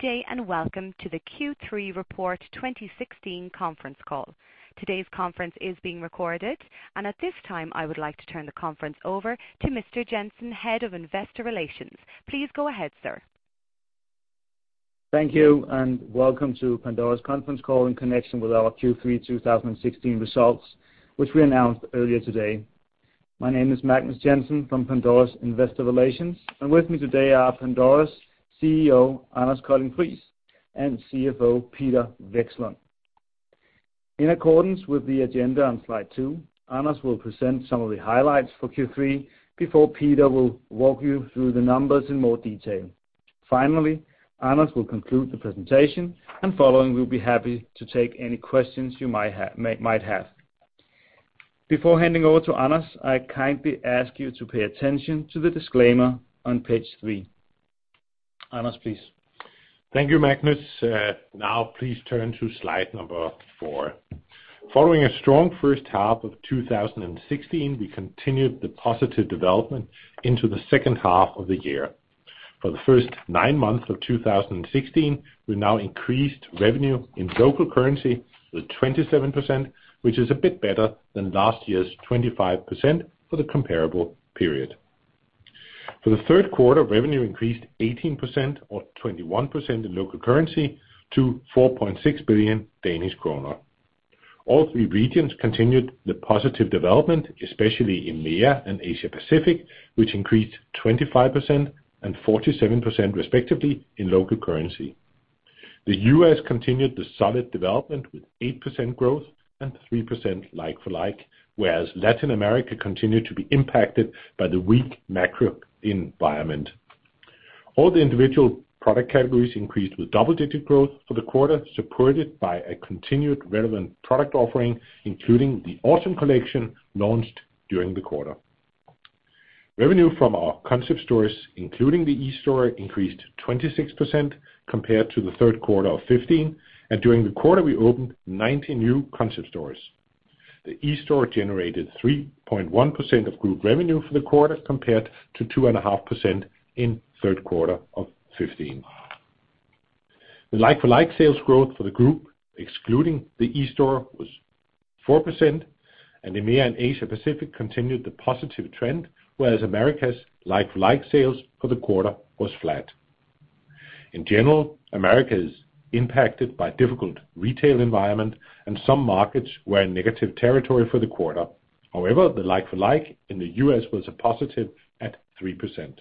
Good day, and welcome to the Q3 Report 2016 conference call. Today's conference is being recorded, and at this time, I would like to turn the conference over to Mr. Jensen, Head of Investor Relations. Please go ahead, sir. Thank you, and welcome to Pandora's conference call in connection with our Q3 2016 results, which we announced earlier today. My name is Magnus Jensen from Pandora's Investor Relations, and with me today are Pandora's CEO, Anders Colding Friis, and CFO, Peter Vekslund. In accordance with the agenda on slide two, Anders will present some of the highlights for Q3 before Peter will walk you through the numbers in more detail. Finally, Anders will conclude the presentation, and following, we'll be happy to take any questions you might have. Before handing over to Anders, I kindly ask you to pay attention to the disclaimer on page three. Anders, please. Thank you, Magnus. Now please turn to slide number four. Following a strong first half of 2016, we continued the positive development into the second half of the year. For the first nine months of 2016, we now increased revenue in local currency with 27%, which is a bit better than last year's 25% for the comparable period. For the third quarter, revenue increased 18% or 21% in local currency to 4.6 billion Danish kroner. All 3 regions continued the positive development, especially in EMEA and Asia Pacific, which increased 25% and 47%, respectively, in local currency. The U.S. continued the solid development with 8% growth and 3% like-for-like, whereas Latin America continued to be impacted by the weak macro environment. All the individual product categories increased with double-digit growth for the quarter, supported by a continued relevant product offering, including the Autumn collection launched during the quarter. Revenue from our Concept stores, including the eSTORE, increased 26% compared to the third quarter of 2015, and during the quarter, we opened 90 new Concept stores. The eSTORE generated 3.1% of group revenue for the quarter, compared to 2.5% in third quarter of 2015. The like-for-like sales growth for the group, excluding the eSTORE, was 4%, and EMEA and Asia Pacific continued the positive trend, whereas Americas' like-for-like sales for the quarter was flat. In general, Americas is impacted by difficult retail environment, and some markets were in negative territory for the quarter. However, the like-for-like in the U.S. was a positive at 3%.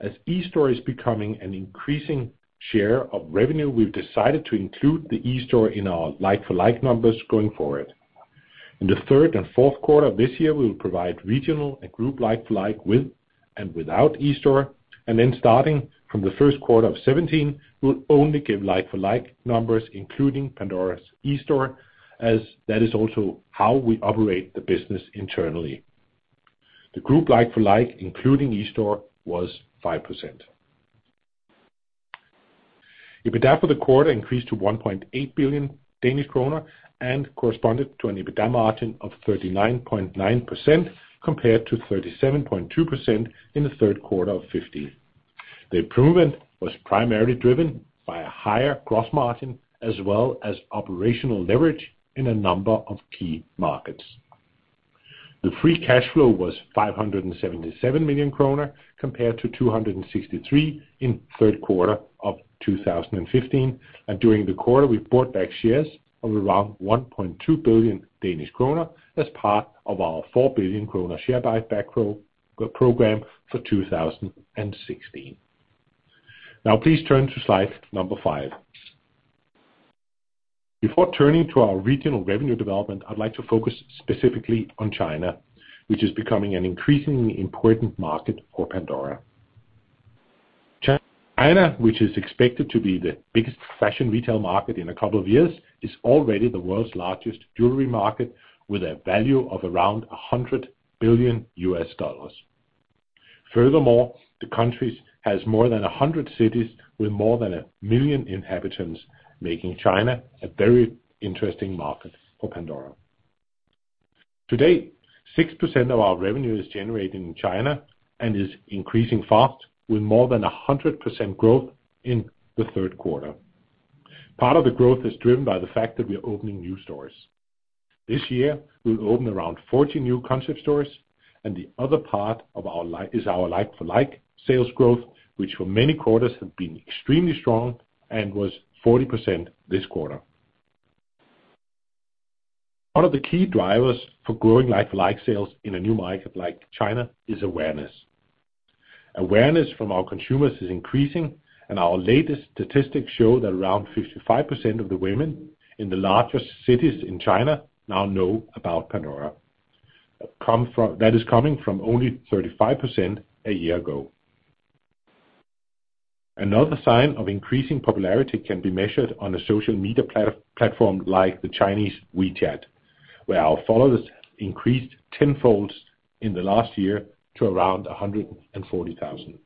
As eSTORE is becoming an increasing share of revenue, we've decided to include the eSTORE in our like-for-like numbers going forward. In the third and fourth quarter of this year, we will provide regional and group like-for-like with and without eSTORE, and then starting from the first quarter of 2017, we'll only give like-for-like numbers, including Pandora's eSTORE, as that is also how we operate the business internally. The group like-for-like, including eSTORE, was 5%. EBITDA for the quarter increased to 1.8 billion Danish kroner and corresponded to an EBITDA margin of 39.9%, compared to 37.2% in the third quarter of 2015. The improvement was primarily driven by a higher gross margin, as well as operational leverage in a number of key markets. The free cash flow was 577 million kroner, compared to 263 million in third quarter of 2015, and during the quarter, we bought back shares of around 1.2 billion Danish kroner as part of our 4 billion kroner share buyback program for 2016. Now, please turn to slide five. Before turning to our regional revenue development, I'd like to focus specifically on China, which is becoming an increasingly important market for Pandora. China, which is expected to be the biggest fashion retail market in a couple of years, is already the world's largest jewellery market, with a value of around $100 billion. Furthermore, the country has more than 100 cities with more than a million inhabitants, making China a very interesting market for Pandora. Today, 6% of our revenue is generated in China and is increasing fast, with more than 100% growth in the third quarter. Part of the growth is driven by the fact that we are opening new stores. This year, we've opened around 40 new Concept stores, and the other part of our like-for-like sales growth, which for many quarters have been extremely strong and was 40% this quarter. One of the key drivers for growing like-for-like sales in a new market like China is awareness. Awareness from our consumers is increasing, and our latest statistics show that around 55% of the women in the largest cities in China now know about Pandora. Coming from only 35% a year ago. Another sign of increasing popularity can be measured on a social media platform like the Chinese WeChat, where our followers increased tenfold in the last year to around 140,000.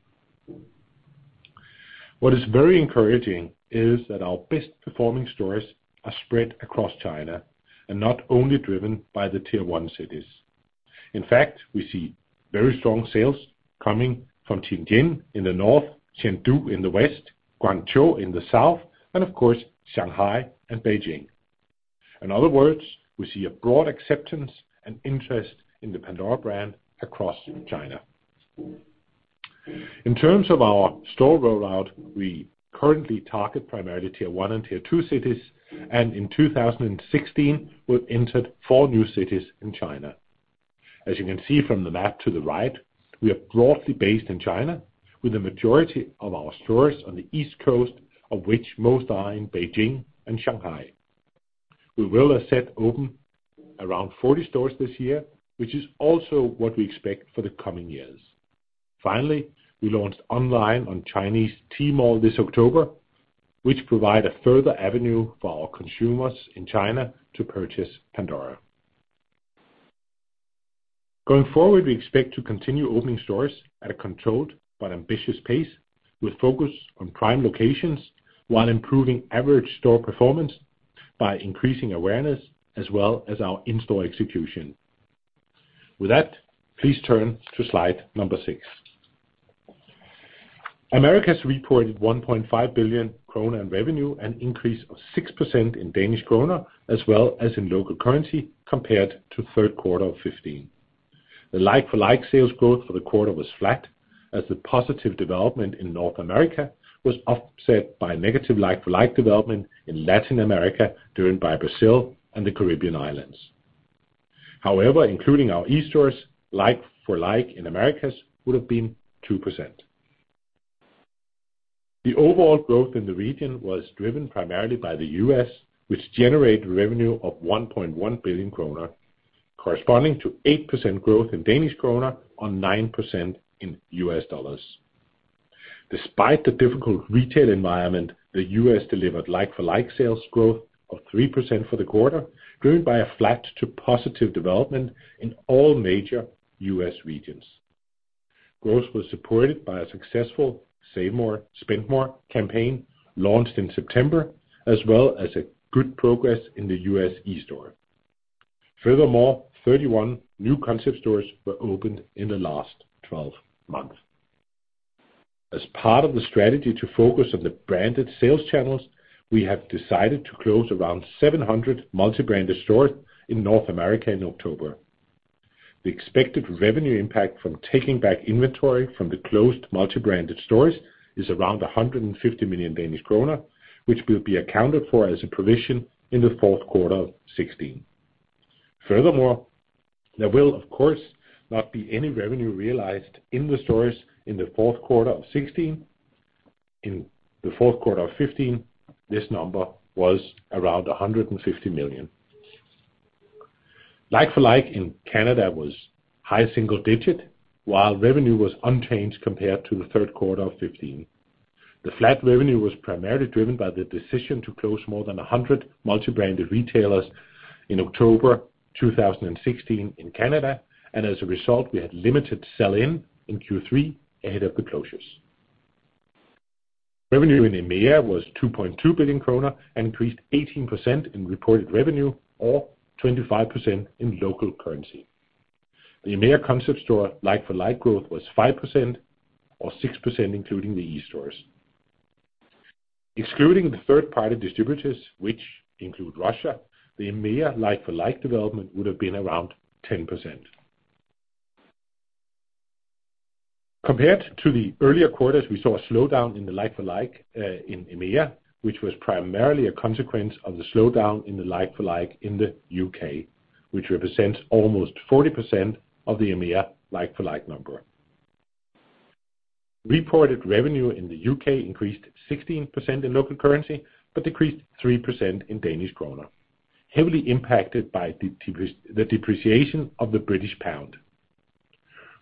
What is very encouraging is that our best performing stores are spread across China and not only driven by the Tier One cities. In fact, we see very strong sales coming from Tianjin in the north, Chengdu in the west, Guangzhou in the south, and of course, Shanghai and Beijing. In other words, we see a broad acceptance and interest in the Pandora brand across China. In terms of our store rollout, we currently target primarily Tier One and Tier Two cities, and in 2016, we've entered four new cities in China. As you can see from the map to the right, we are broadly based in China, with the majority of our stores on the East Coast, of which most are in Beijing and Shanghai. We will, as said, open around 40 stores this year, which is also what we expect for the coming years. Finally, we launched online on Chinese Tmall this October, which provide a further avenue for our consumers in China to purchase Pandora. Going forward, we expect to continue opening stores at a controlled but ambitious pace, with focus on prime locations, while improving average store performance by increasing awareness as well as our in-store execution. With that, please turn to slide number six. Americas reported 1.5 billion krone in revenue, an increase of 6% in Danish kroner, as well as in local currency, compared to third quarter of 2015. The like-for-like sales growth for the quarter was flat, as the positive development in North America was offset by negative like-for-like development in Latin America, driven by Brazil and the Caribbean islands. However, including our eSTOREs, like-for-like in Americas would have been 2%. The overall growth in the region was driven primarily by the U.S., which generated revenue of 1.1 billion kroner, corresponding to 8% growth in Danish kroner on 9% in U.S. dollars. Despite the difficult retail environment, the U.S. delivered like-for-like sales growth of 3% for the quarter, driven by a flat to positive development in all major U.S. regions. Growth was supported by a successful Spend More, Save More campaign launched in September, as well as a good progress in the U.S. eSTORE. Furthermore, 31 new Concept stores were opened in the last 12 months. As part of the strategy to focus on the branded sales channels, we have decided to close around 700 multi-branded stores in North America in October. The expected revenue impact from taking back inventory from the closed multi-branded stores is around 150 million Danish kroner, which will be accounted for as a provision in the fourth quarter of 2016. Furthermore, there will, of course, not be any revenue realized in the stores in the fourth quarter of 2016. In the fourth quarter of 2015, this number was around 150 million. Like-for-like in Canada was high single digit, while revenue was unchanged compared to the third quarter of 2015. The flat revenue was primarily driven by the decision to close more than 100 multi-branded retailers in October 2016 in Canada, and as a result, we had limited sell-in in Q3 ahead of the closures. Revenue in EMEA was 2.2 billion krone, and increased 18% in reported revenue, or 25% in local currency. The EMEA concept store like-for-like growth was 5%, or 6%, including the eSTOREs. Excluding the third-party distributors, which include Russia, the EMEA like-for-like development would have been around 10%. Compared to the earlier quarters, we saw a slowdown in the like-for-like in EMEA, which was primarily a consequence of the slowdown in the like-for-like in the U.K., which represents almost 40% of the EMEA like-for-like number. Reported revenue in the U.K. increased 16% in local currency, but decreased 3% in Danish kroner, heavily impacted by the depreciation of the British pound.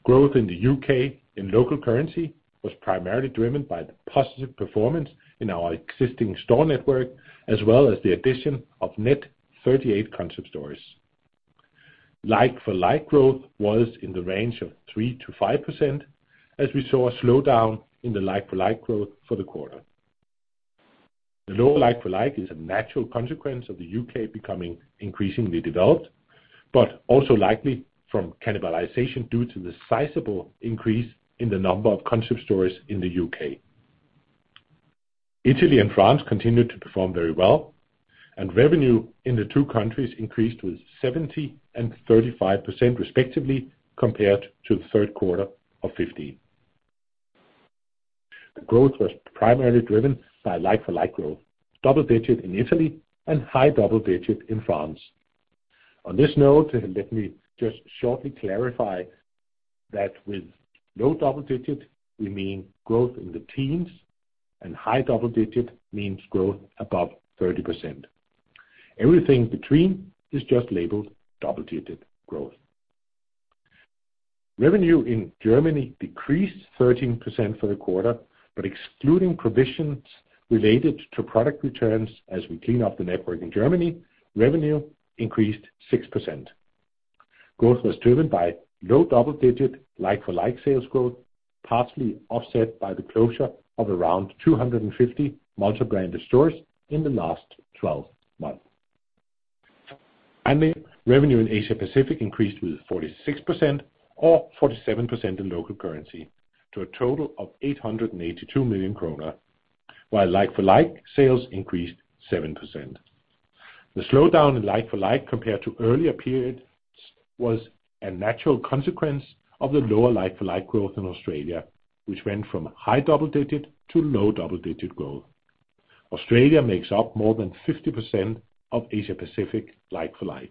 Growth in the U.K. in local currency was primarily driven by the positive performance in our existing store network, as well as the addition of net 38 concept stores. Like-for-like growth was in the range of 3%-5%, as we saw a slowdown in the like-for-like growth for the quarter. The lower like-for-like is a natural consequence of the U.K. becoming increasingly developed, but also likely from cannibalization due to the sizable increase in the number of concept stores in the U.K. Italy and France continued to perform very well, and revenue in the two countries increased with 70% and 35%, respectively, compared to the third quarter of 2015. The growth was primarily driven by like-for-like growth, double-digit in Italy and high double-digit in France. On this note, let me just shortly clarify that with low double-digit, we mean growth in the teens, and high double-digit means growth above 30%. Everything between is just labeled double-digit growth. Revenue in Germany decreased 13% for the quarter, but excluding provisions related to product returns as we clean up the network in Germany, revenue increased 6%. Growth was driven by low double-digit like-for-like sales growth, partly offset by the closure of around 250 multi-branded stores in the last 12 months. The revenue in Asia Pacific increased with 46%, or 47% in local currency, to a total of 882 million kroner, while like-for-like sales increased 7%. The slowdown in like-for-like, compared to earlier periods, was a natural consequence of the lower like-for-like growth in Australia, which went from high double digit to low double digit growth. Australia makes up more than 50% of Asia Pacific like-for-like.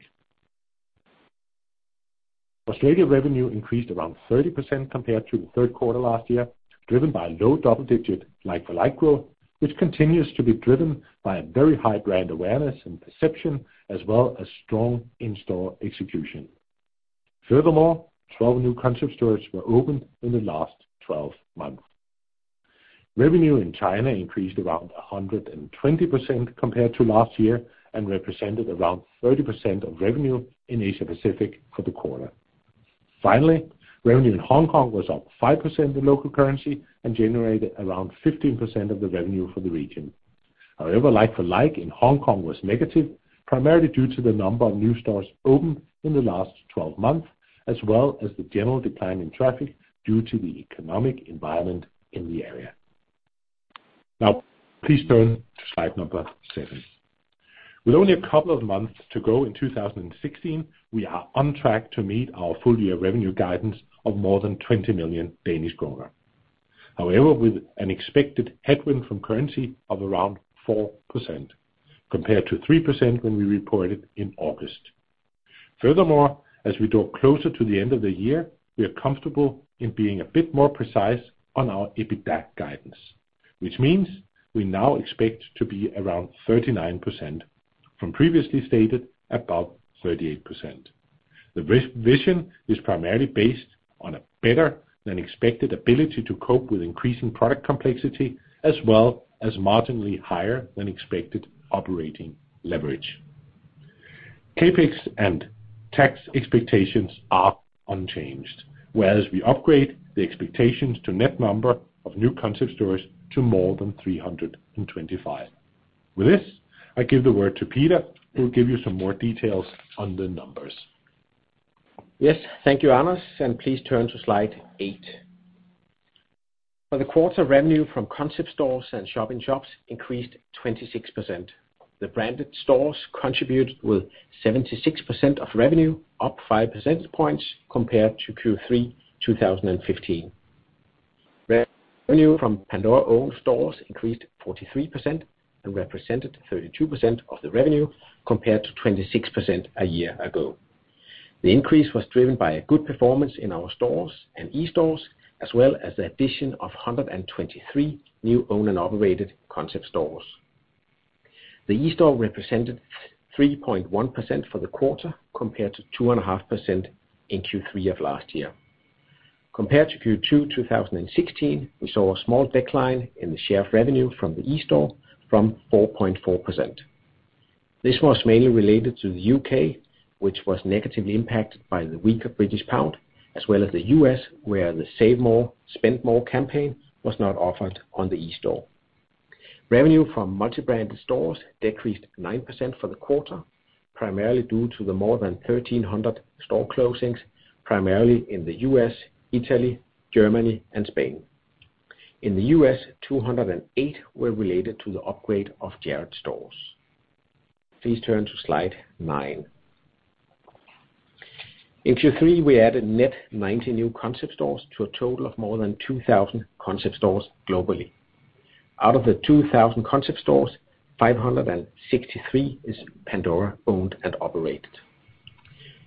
Australia revenue increased around 30% compared to the third quarter last year, driven by low double digit like-for-like growth, which continues to be driven by a very high brand awareness and perception, as well as strong in-store execution. Furthermore, 12 new concept stores were opened in the last 12 months. Revenue in China increased around 120% compared to last year, and represented around 30% of revenue in Asia Pacific for the quarter. Finally, revenue in Hong Kong was up 5% in local currency and generated around 15% of the revenue for the region. However, like-for-like in Hong Kong was negative, primarily due to the number of new stores opened in the last 12 months, as well as the general decline in traffic due to the economic environment in the area. Now, please turn to slide number seven. With only a couple of months to go in 2016, we are on track to meet our full year revenue guidance of more than 20 million Danish kroner. However, with an expected headwind from currency of around 4%, compared to 3% when we reported in August. Furthermore, as we draw closer to the end of the year, we are comfortable in being a bit more precise on our EBITDA guidance, which means we now expect to be around 39% from previously stated, about 38%. This revision is primarily based on a better than expected ability to cope with increasing product complexity, as well as marginally higher than expected operating leverage. CapEx and tax expectations are unchanged, whereas we upgrade the expectations to net number of new concept stores to more than 325. With this, I give the word to Peter, who will give you some more details on the numbers. Yes, thank you, Anders, and please turn to slide eight. For the quarter, revenue from concept stores and shop-in-shops increased 26%. The branded stores contributed with 76% of revenue, up five percentage points compared to Q3 2015. Revenue from Pandora-owned stores increased 43% and represented 32% of the revenue, compared to 26% a year ago. The increase was driven by a good performance in our stores and eSTOREs, as well as the addition of 123 new owned and operated concept stores. The eSTORE represented 3.1% for the quarter, compared to 2.5% in Q3 of last year. Compared to Q2 2016, we saw a small decline in the share of revenue from the eSTORE from 4.4%. This was mainly related to the U.K., which was negatively impacted by the weaker British pound, as well as the U.S., where the Spend More, Save More campaign was not offered on the eSTORE. Revenue from multi-branded stores decreased 9% for the quarter, primarily due to the more than 1,300 store closings, primarily in the U.S., Italy, Germany, and Spain. In the U.S., 208 were related to the upgrade of Jared stores. Please turn to slide nine. In Q3, we added net 90 new concept stores to a total of more than 2,000 concept stores globally. Out of the 2,000 concept stores, 563 is Pandora owned and operated.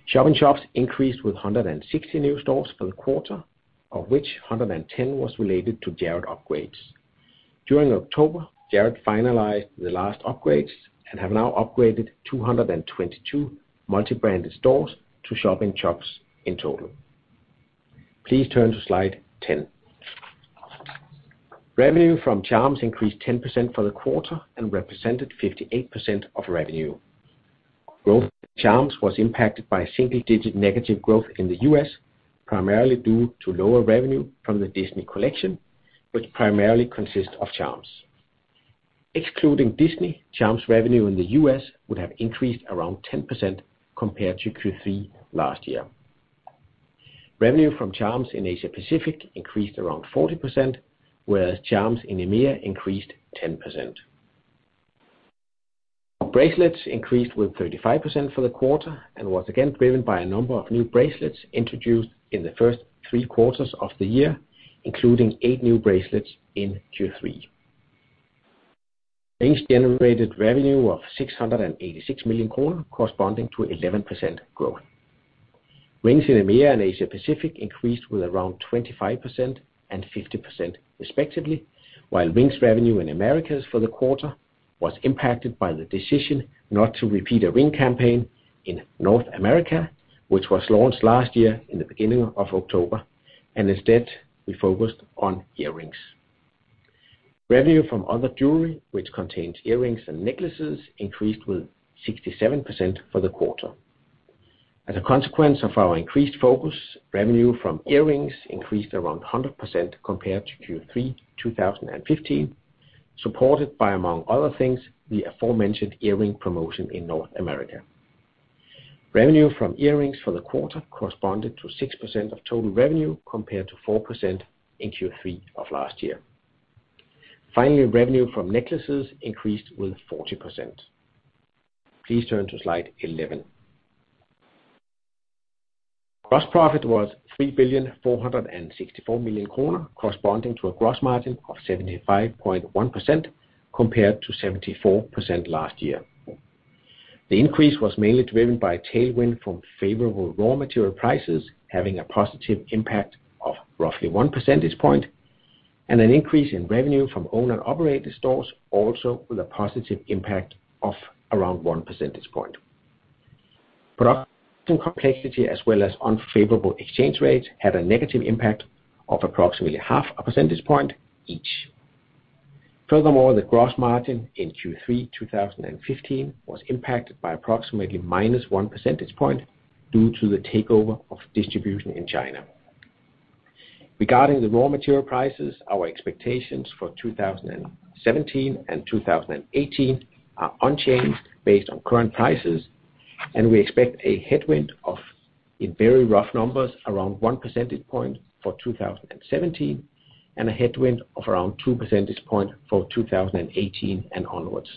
Shop-in-shops increased with 160 new stores for the quarter, of which 110 was related to Jared upgrades. During October, Jared finalized the last upgrades and have now upgraded 222 multi-branded stores to shop-in-shops in total. Please turn to slide 10. Revenue from charms increased 10% for the quarter and represented 58% of revenue. Growth in charms was impacted by single digit negative growth in the U.S., primarily due to lower revenue from the Disney collection, which primarily consists of charms. Excluding Disney, charms revenue in the U.S. would have increased around 10% compared to Q3 last year. Revenue from charms in Asia Pacific increased around 40%, whereas charms in EMEA increased 10%. Bracelets increased with 35% for the quarter and was again driven by a number of new bracelets introduced in the first three quarters of the year, including eight new bracelets in Q3. Rings generated revenue of 686 million kroner, corresponding to 11% growth. Rings in EMEA and Asia Pacific increased with around 25% and 50% respectively, while rings revenue in Americas for the quarter was impacted by the decision not to repeat a ring campaign in North America, which was launched last year in the beginning of October, and instead we focused on earrings. Revenue from other jewellery, which contains earrings and necklaces, increased with 67% for the quarter. As a consequence of our increased focus, revenue from earrings increased around 100% compared to Q3 2015, supported by, among other things, the aforementioned earring promotion in North America. Revenue from earrings for the quarter corresponded to 6% of total revenue, compared to 4% in Q3 of last year. Finally, revenue from necklaces increased with 40%. Please turn to slide 11. Gross profit was 3,464 million kroner, corresponding to a gross margin of 75.1%, compared to 74% last year. The increase was mainly driven by a tailwind from favorable raw material prices, having a positive impact of roughly one percentage point, and an increase in revenue from owned and operated stores, also with a positive impact of around one percentage point. Product complexity, as well as unfavorable exchange rates, had a negative impact of approximately 0.5 percentage point each. Furthermore, the gross margin in Q3, 2015 was impacted by approximately -1 percentage point due to the takeover of distribution in China. Regarding the raw material prices, our expectations for 2017 and 2018 are unchanged based on current prices, and we expect a headwind of, in very rough numbers, around one percentage point for 2017, and a headwind of around two percentage point for 2018 and onwards,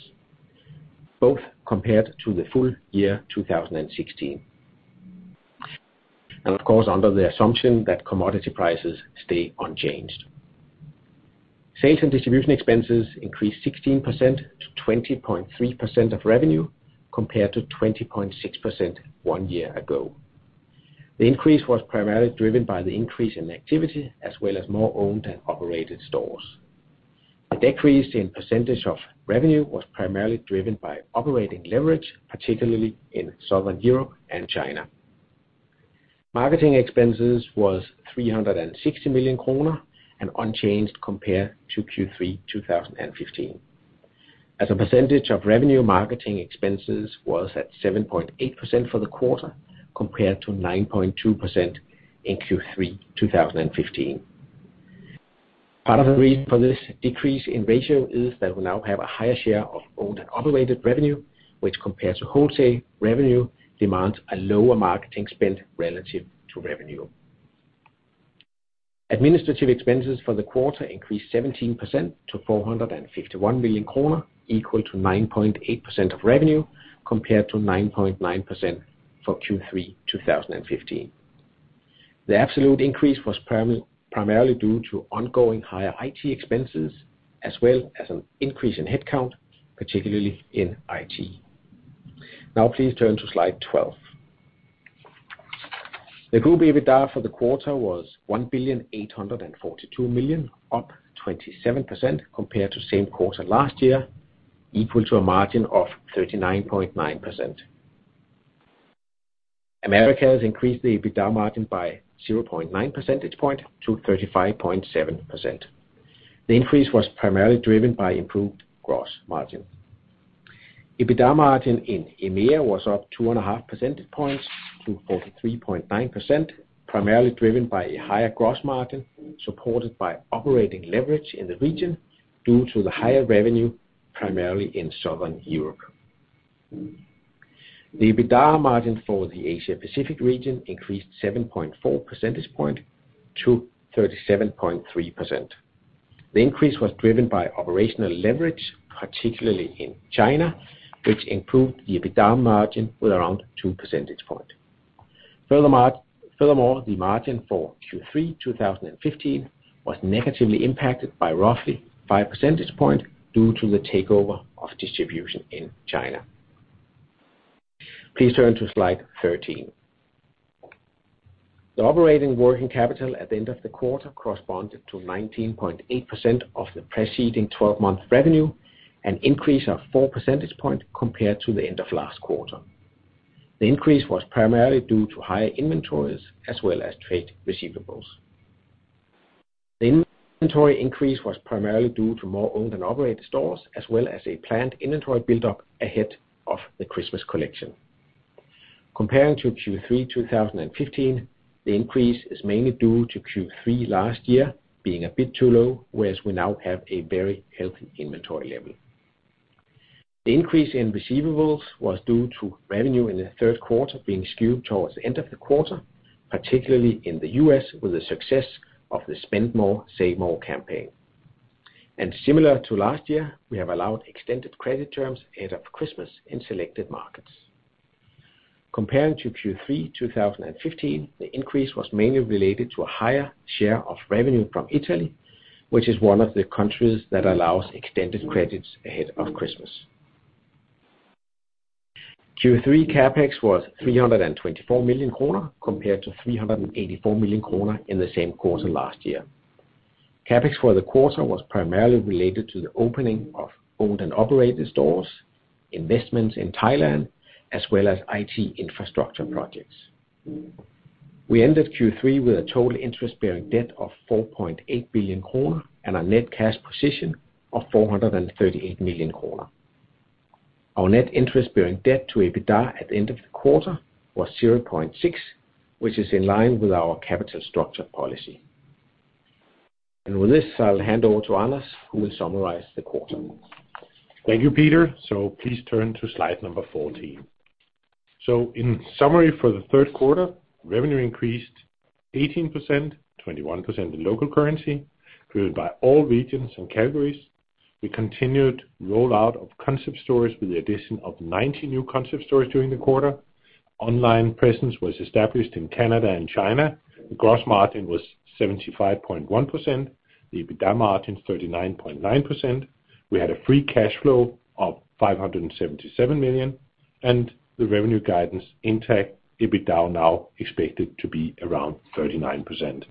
both compared to the full year 2016. Of course, under the assumption that commodity prices stay unchanged. Sales and distribution expenses increased 16% to 20.3% of revenue, compared to 20.6% one year ago. The increase was primarily driven by the increase in activity, as well as more owned and operated stores. The decrease in percentage of revenue was primarily driven by operating leverage, particularly in Southern Europe and China. Marketing expenses was 360 million kroner, and unchanged compared to Q3 2015. As a percentage of revenue, marketing expenses was at 7.8% for the quarter, compared to 9.2% in Q3, 2015. Part of the reason for this decrease in ratio is that we now have a higher share of Owned and Operated revenue, which, compared to wholesale revenue, demands a lower marketing spend relative to revenue. Administrative expenses for the quarter increased 17% to 451 million kroner, equal to 9.8% of revenue, compared to 9.9% for Q3, 2015. The absolute increase was primarily due to ongoing higher IT expenses, as well as an increase in headcount, particularly in IT. Now, please turn to slide 12. The group EBITDA for the quarter was 1,842 million, up 27% compared to same quarter last year, equal to a margin of 39.9%. Americas increased the EBITDA margin by 0.9 percentage point to 35.7%. The increase was primarily driven by improved gross margin. EBITDA margin in EMEA was up 2.5 percentage points to 43.9%, primarily driven by a higher gross margin, supported by operating leverage in the region due to the higher revenue, primarily in Southern Europe. The EBITDA margin for the Asia Pacific region increased 7.4 percentage point to 37.3%. The increase was driven by operational leverage, particularly in China, which improved the EBITDA margin with around two percentage point. Furthermore, the margin for Q3 2015 was negatively impacted by roughly five percentage points due to the takeover of distribution in China. Please turn to slide 13. The operating working capital at the end of the quarter corresponded to 19.8% of the preceding 12-month revenue, an increase of four percentage points compared to the end of last quarter. The increase was primarily due to higher inventories as well as trade receivables. The inventory increase was primarily due to more owned and operated stores, as well as a planned inventory buildup ahead of the Christmas collection. Comparing to Q3 2015, the increase is mainly due to Q3 last year being a bit too low, whereas we now have a very healthy inventory level. The increase in receivables was due to revenue in the third quarter being skewed towards the end of the quarter, particularly in the U.S., with the success of the Spend More, Save More campaign. Similar to last year, we have allowed extended credit terms ahead of Christmas in selected markets. Comparing to Q3, 2015, the increase was mainly related to a higher share of revenue from Italy, which is one of the countries that allows extended credits ahead of Christmas. Q3 CapEx was 324 million kroner, compared to 384 million kroner in the same quarter last year. CapEx for the quarter was primarily related to the opening of owned and operated stores, investments in Thailand, as well as IT infrastructure projects. We ended Q3 with a total interest-bearing debt of 4.8 billion kroner, and a net cash position of 438 million kroner. Our net interest bearing debt to EBITDA at the end of the quarter was 0.6, which is in line with our capital structure policy. And with this, I'll hand over to Anders, who will summarize the quarter. Thank you, Peter. Please turn to slide number 14. In summary, for the third quarter, revenue increased 18%, 21% in local currency, driven by all regions and categories. We continued rollout of concept stores with the addition of 90 new concept stores during the quarter. Online presence was established in Canada and China. The gross margin was 75.1%, the EBITDA margin 39.9%. We had a free cash flow of 577 million, and the revenue guidance intact, EBITDA now expected to be around 39%.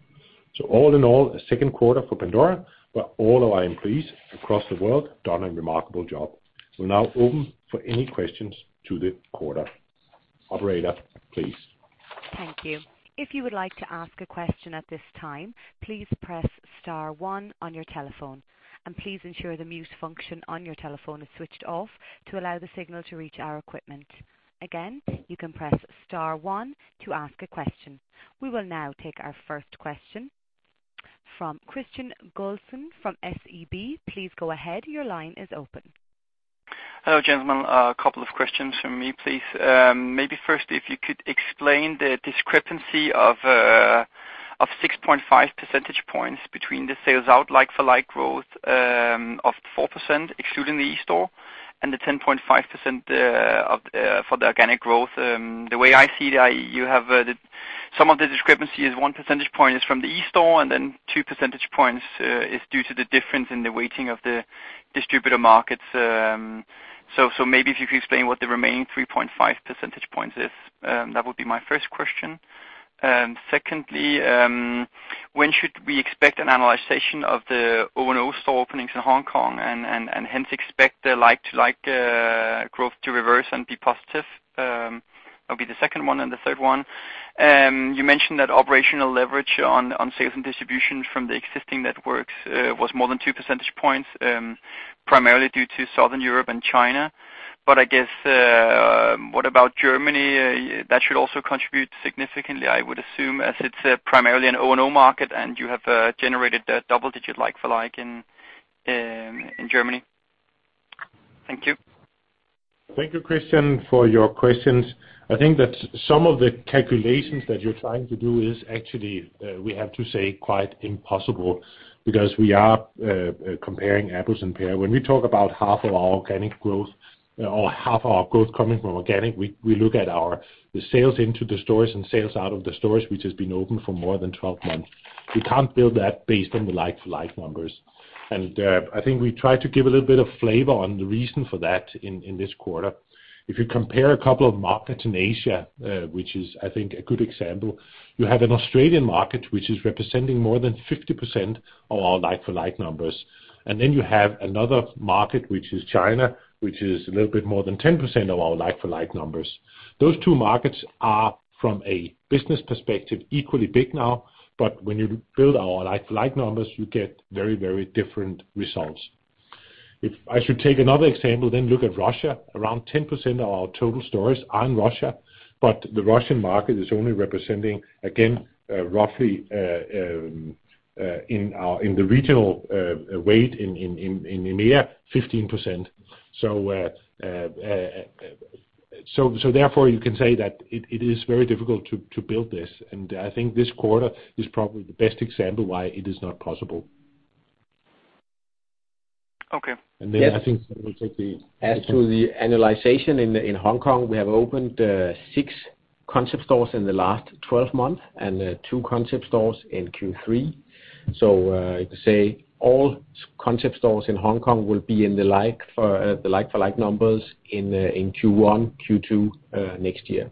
All in all, a second quarter for Pandora, where all of our employees across the world done a remarkable job. We'll now open for any questions to the quarter. Operator, please. Thank you. If you would like to ask a question at this time, please press star one on your telephone, and please ensure the mute function on your telephone is switched off to allow the signal to reach our equipment. Again, you can press star one to ask a question. We will now take our first question from Kristian Godiksen from SEB. Please go ahead. Your line is open. Hello, gentlemen. A couple of questions from me, please. Maybe first, if you could explain the discrepancy of 6.5 percentage points between the sales out like-for-like growth of 4%, excluding the eSTORE, and the 10.5% for the organic growth. The way I see it, some of the discrepancy is one percentage point from the eSTORE, and then two percentage points is due to the difference in the weighting of the distributor markets. So maybe if you could explain what the remaining 3.5 percentage points is. That would be my first question. And secondly, when should we expect an analysis of the O&O store openings in Hong Kong and hence expect the like-for-like growth to reverse and be positive? That'll be the second one, and the third one, you mentioned that operational leverage on, on sales and distribution from the existing networks, was more than two percentage points, primarily due to Southern Europe and China. But I guess, what about Germany? That should also contribute significantly, I would assume, as it's primarily an O&O market, and you have, generated a double-digit like-for-like in, in Germany. Thank you. Thank you, Kristian, for your questions. I think that some of the calculations that you're trying to do is actually, we have to say, quite impossible, because we are comparing apples and pears. When we talk about half of our organic growth or half of our growth coming from organic, we look at our, the sales into the stores and sales out of the stores, which has been open for more than 12 months. We can't build that based on the like-for-like numbers, and, I think we tried to give a little bit of flavor on the reason for that in this quarter. If you compare a couple of markets in Asia, which is, I think, a good example, you have an Australian market, which is representing more than 50% of our like-for-like numbers. Then you have another market, which is China, which is a little bit more than 10% of our like-for-like numbers. Those two markets are, from a business perspective, equally big now, but when you build our like-for-like numbers, you get very, very different results. If I should take another example, then look at Russia. Around 10% of our total stores are in Russia, but the Russian market is only representing, again, roughly, in the regional weight in EMEA, 15%. So, therefore, you can say that it is very difficult to build this, and I think this quarter is probably the best example why it is not possible. Okay. And then I think we'll take the- As to the analysis in Hong Kong, we have opened six concept stores in the last 12 months and two concept stores in Q3. So you could say all concept stores in Hong Kong will be in the like-for-like numbers in Q1, Q2 next year.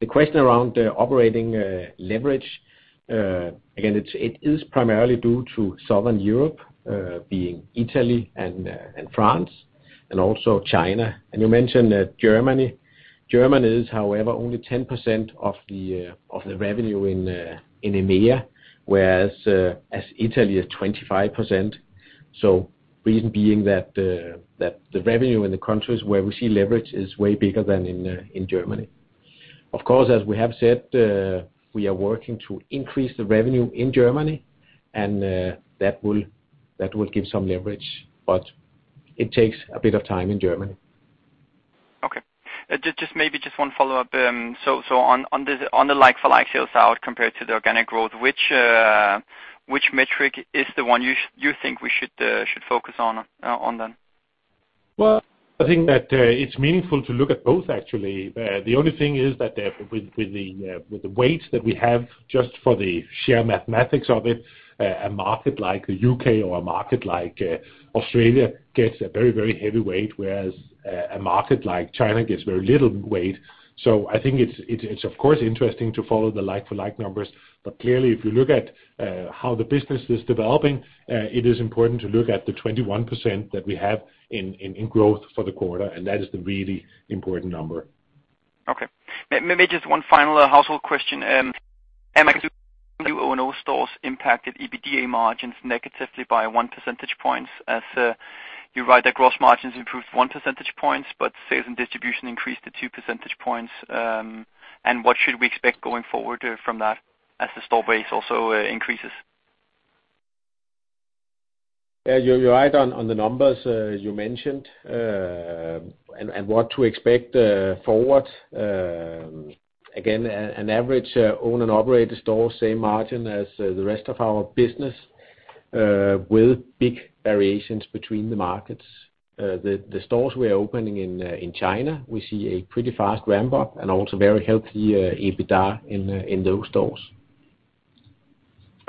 The question around the operating leverage, again, it is primarily due to Southern Europe, being Italy and France, and also China. You mentioned that Germany. Germany is, however, only 10% of the revenue in EMEA, whereas Italy is 25%. So reason being that the revenue in the countries where we see leverage is way bigger than in Germany. Of course, as we have said, we are working to increase the revenue in Germany, and that will give some leverage, but it takes a bit of time in Germany. Okay. Just maybe one follow-up. So on the like-for-like sales growth compared to the organic growth, which metric is the one you think we should focus on then? Well, I think that it's meaningful to look at both, actually. The only thing is that with the weights that we have, just for the sheer mathematics of it, a market like the U.K. or a market like Australia gets a very, very heavy weight, whereas a market like China gets very little weight. So I think it's of course interesting to follow the like-for-like numbers. But clearly, if you look at how the business is developing, it is important to look at the 21% that we have in growth for the quarter, and that is the really important number. Okay. Maybe just one final question. Did the new O&O stores impact EBITDA margins negatively by one percentage point, as you write that gross margins improved one percentage point, but sales and distribution increased by two percentage points, and what should we expect going forward from that as the store base also increases? Yeah, you're right on the numbers, as you mentioned, and what to expect forward, again, an average Owned and Operated store, same margin as the rest of our business, with big variations between the markets. The stores we are opening in China, we see a pretty fast ramp up and also very healthy EBITDA in those stores.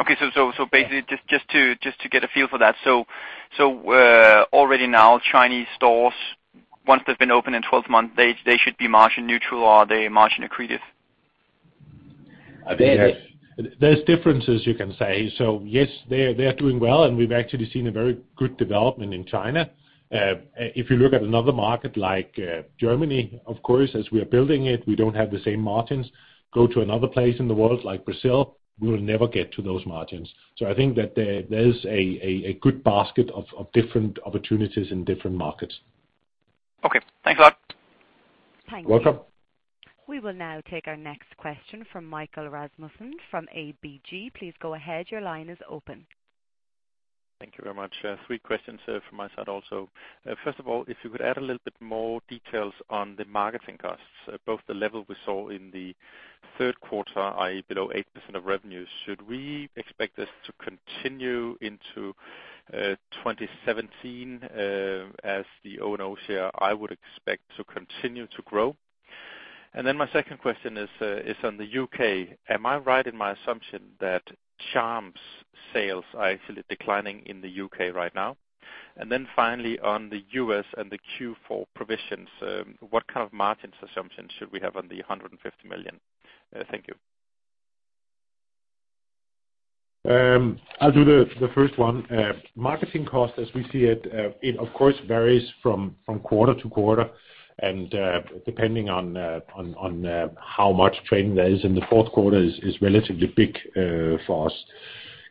Okay, so basically, just to get a feel for that, already now, Chinese stores, once they've been open in 12 months, they should be margin neutral or are they margin accretive? There's differences you can say. So yes, they are doing well, and we've actually seen a very good development in China. If you look at another market like Germany, of course, as we are building it, we don't have the same margins. Go to another place in the world like Brazil, we will never get to those margins. So I think that there, there's a good basket of different opportunities in different markets. Okay. Thanks a lot. Thank you. Welcome. We will now take our next question from Michael Rasmussen from ABG. Please go ahead. Your line is open. Thank you very much. Three questions from my side also. First of all, if you could add a little bit more details on the marketing costs, both the level we saw in the third quarter, i.e., below 8% of revenues. Should we expect this to continue into 2017, as the O&O share, I would expect to continue to grow? And then my second question is on the U.K. Am I right in my assumption that charms sales are actually declining in the U.K. right now? And then finally, on the U.S. and the Q4 provisions, what kind of margins assumptions should we have on the 150 million? Thank you. I'll do the first one. Marketing costs, as we see it, of course varies from quarter-to-quarter, and depending on how much training there is, in the fourth quarter is relatively big for us.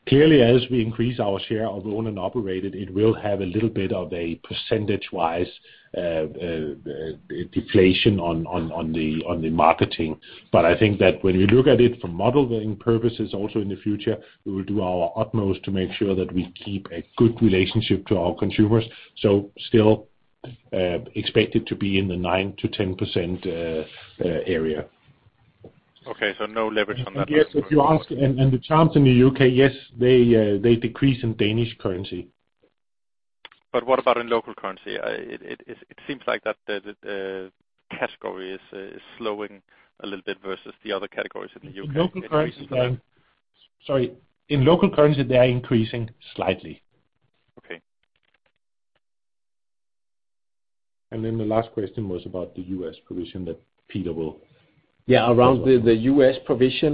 Clearly, as we increase our share of owned and operated, it will have a little bit of a percentage-wise deflation on the marketing. But I think that when we look at it from modeling purposes, also in the future, we will do our utmost to make sure that we keep a good relationship to our consumers. So still, expect it to be in the 9%-10% area. Okay, so no leverage on that as well? If you ask, the charms in the U.K., yes, they, they decrease in Danish currency. But what about in local currency? It seems like the category is slowing a little bit versus the other categories in the U.K. In local currency, then. Sorry, in local currency, they are increasing slightly. Okay. And then the last question was about the U.S. provision that Peter will- Yeah, around the, the U.S. provision,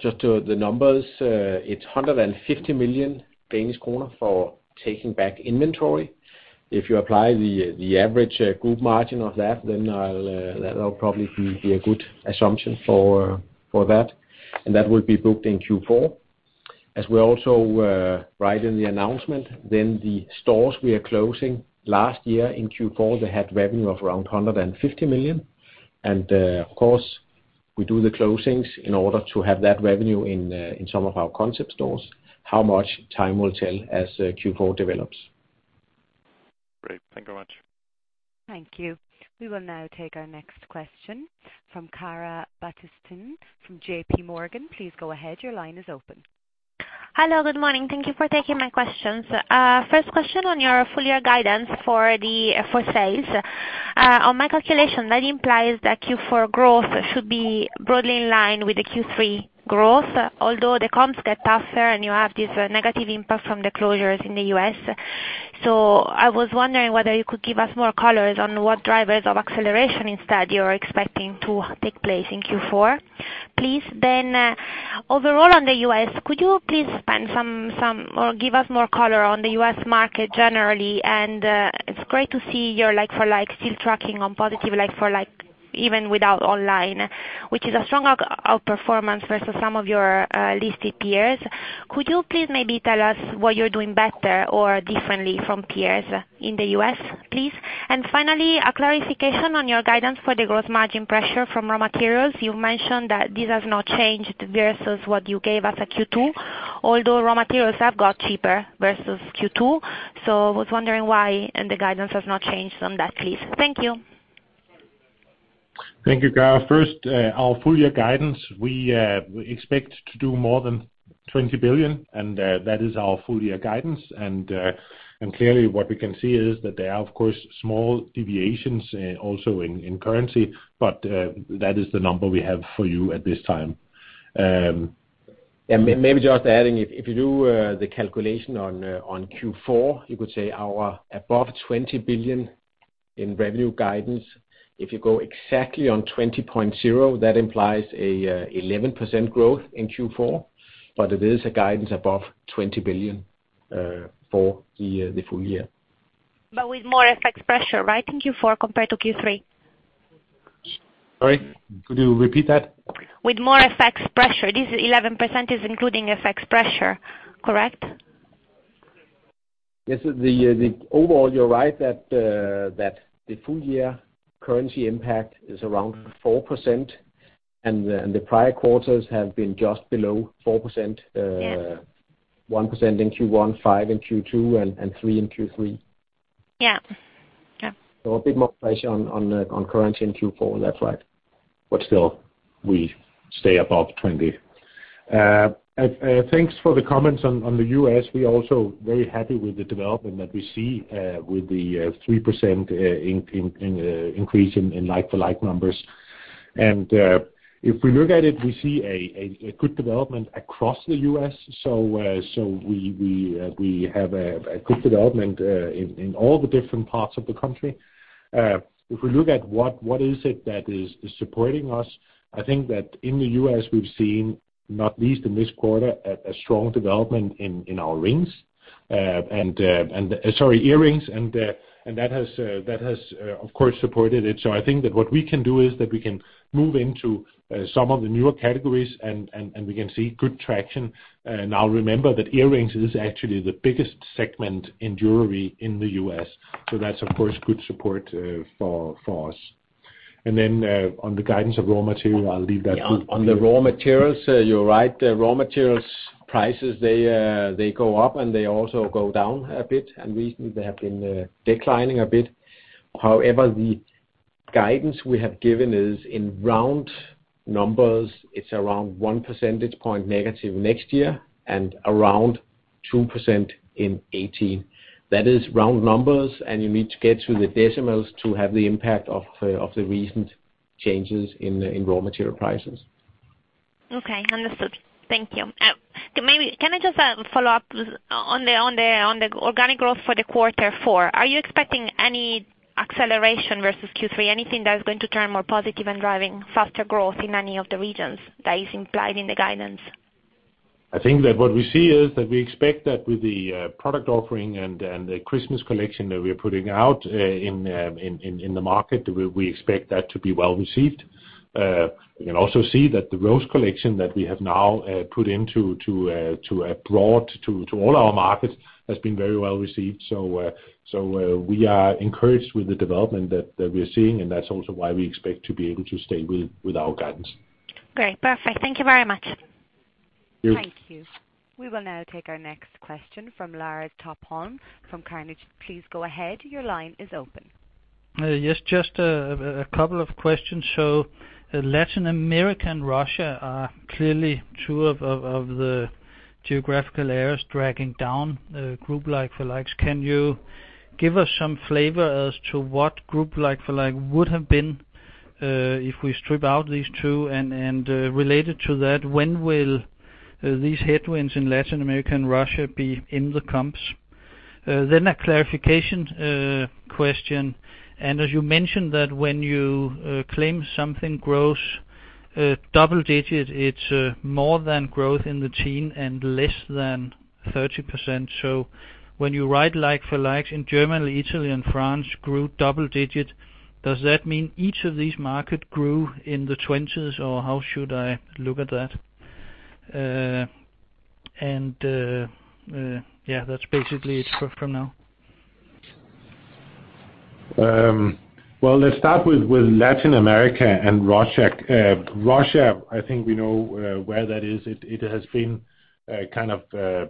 just to the numbers, it's 150 million Danish kroner for taking back inventory. If you apply the, the average, group margin of that, then I'll, that'll probably be a good assumption for, for that, and that will be booked in Q4. As we also write in the announcement, then the stores we are closing last year in Q4, they had revenue of around 150 million. And, of course, we do the closings in order to have that revenue in, in some of our concept stores. How much? Time will tell as Q4 develops. Great. Thank you much. Thank you. We will now take our next question from Chiara Battistini, from J.P. Morgan. Please go ahead. Your line is open. Hello, good morning. Thank you for taking my questions. First question on your full year guidance for the, for sales. On my calculation, that implies that Q4 growth should be broadly in line with the Q3 growth, although the comps get tougher and you have this negative impact from the closures in the U.S. So I was wondering whether you could give us more color on what drivers of acceleration instead you are expecting to take place in Q4, please. Then, overall, on the U.S., could you please spend some or give us more color on the U.S. market generally? And, it's great to see your like-for-like still tracking on positive like-for-like even without online, which is a strong outperformance versus some of your listed peers. Could you please maybe tell us what you're doing better or differently from peers in the U.S., please? And finally, a clarification on your guidance for the gross margin pressure from raw materials. You mentioned that this has not changed versus what you gave us at Q2, although raw materials have got cheaper versus Q2. So I was wondering why, and the guidance has not changed on that, please. Thank you. Thank you, Chiara. First, our full year guidance, we, we expect to do more than 20 billion, and, that is our full year guidance. And, and clearly, what we can see is that there are, of course, small deviations, also in, in currency, but, that is the number we have for you at this time. Maybe just adding, if you do the calculation on Q4, you could say our above 20 billion in revenue guidance. If you go exactly on 20.0, that implies a 11% growth in Q4, but it is a guidance above 20 billion for the full year. But with more FX pressure, right, in Q4 compared to Q3? Sorry, could you repeat that? With more FX pressure, this 11% is including FX pressure, correct? Yes, the overall, you're right that the full year currency impact is around 4%, and the prior quarters have been just below 4%. Yeah. 1% in Q1, 5% in Q2, and 3% in Q3. Yeah. Yeah. So a bit more pressure on currency in Q4, that's right. But still, we stay above 20. Thanks for the comments on the U.S. We're also very happy with the development that we see with the 3% increase in like-for-like numbers. And if we look at it, we see a good development across the U.S., so we have a good development in all the different parts of the country. If we look at what is supporting us, I think that in the U.S., we've seen, not least in this quarter, a strong development in our rings. Sorry, earrings, and that has of course supported it. So I think that what we can do is that we can move into some of the newer categories, and we can see good traction. Now remember that earrings is actually the biggest segment in jewelry in the U.S., so that's, of course, good support for us. And then on the guidance of raw material, I'll leave that to. On the raw materials, you're right. The raw materials prices, they go up, and they also go down a bit, and recently they have been declining a bit. However, the guidance we have given is in round numbers, it's around one percentage point negative next year and around 2% in 2018. That is round numbers, and you need to get to the decimals to have the impact of the recent changes in the raw material prices. Okay, understood. Thank you. Maybe can I just follow up on the organic growth for quarter four? Are you expecting any acceleration versus Q3, anything that is going to turn more positive and driving faster growth in any of the regions that is implied in the guidance? I think that what we see is that we expect that with the product offering and the Christmas collection that we're putting out in the market, we expect that to be well-received. We can also see that the Rose collection that we have now put into broad to all our markets has been very well received. So we are encouraged with the development that we're seeing, and that's also why we expect to be able to stay with our guidance. Great. Perfect. Thank you very much. Yes. Thank you. We will now take our next question from Lars Topholm from Carnegie. Please go ahead. Your line is open. Yes, just a couple of questions. So Latin America and Russia are clearly two of the geographical areas dragging down group like-for-likes. Can you give us some flavor as to what group like-for-like would have been if we strip out these two? And related to that, when will these headwinds in Latin America and Russia be in the comps? Then a clarification question, and as you mentioned that when you claim something grows double-digit, it's more than growth in the teens and less than 30%. So when you write like-for-likes in Germany, Italy and France grew double-digit, does that mean each of these markets grew in the twenties, or how should I look at that? Yeah, that's basically it for now. Well, let's start with Latin America and Russia. Russia, I think we know where that is. It has been kind of a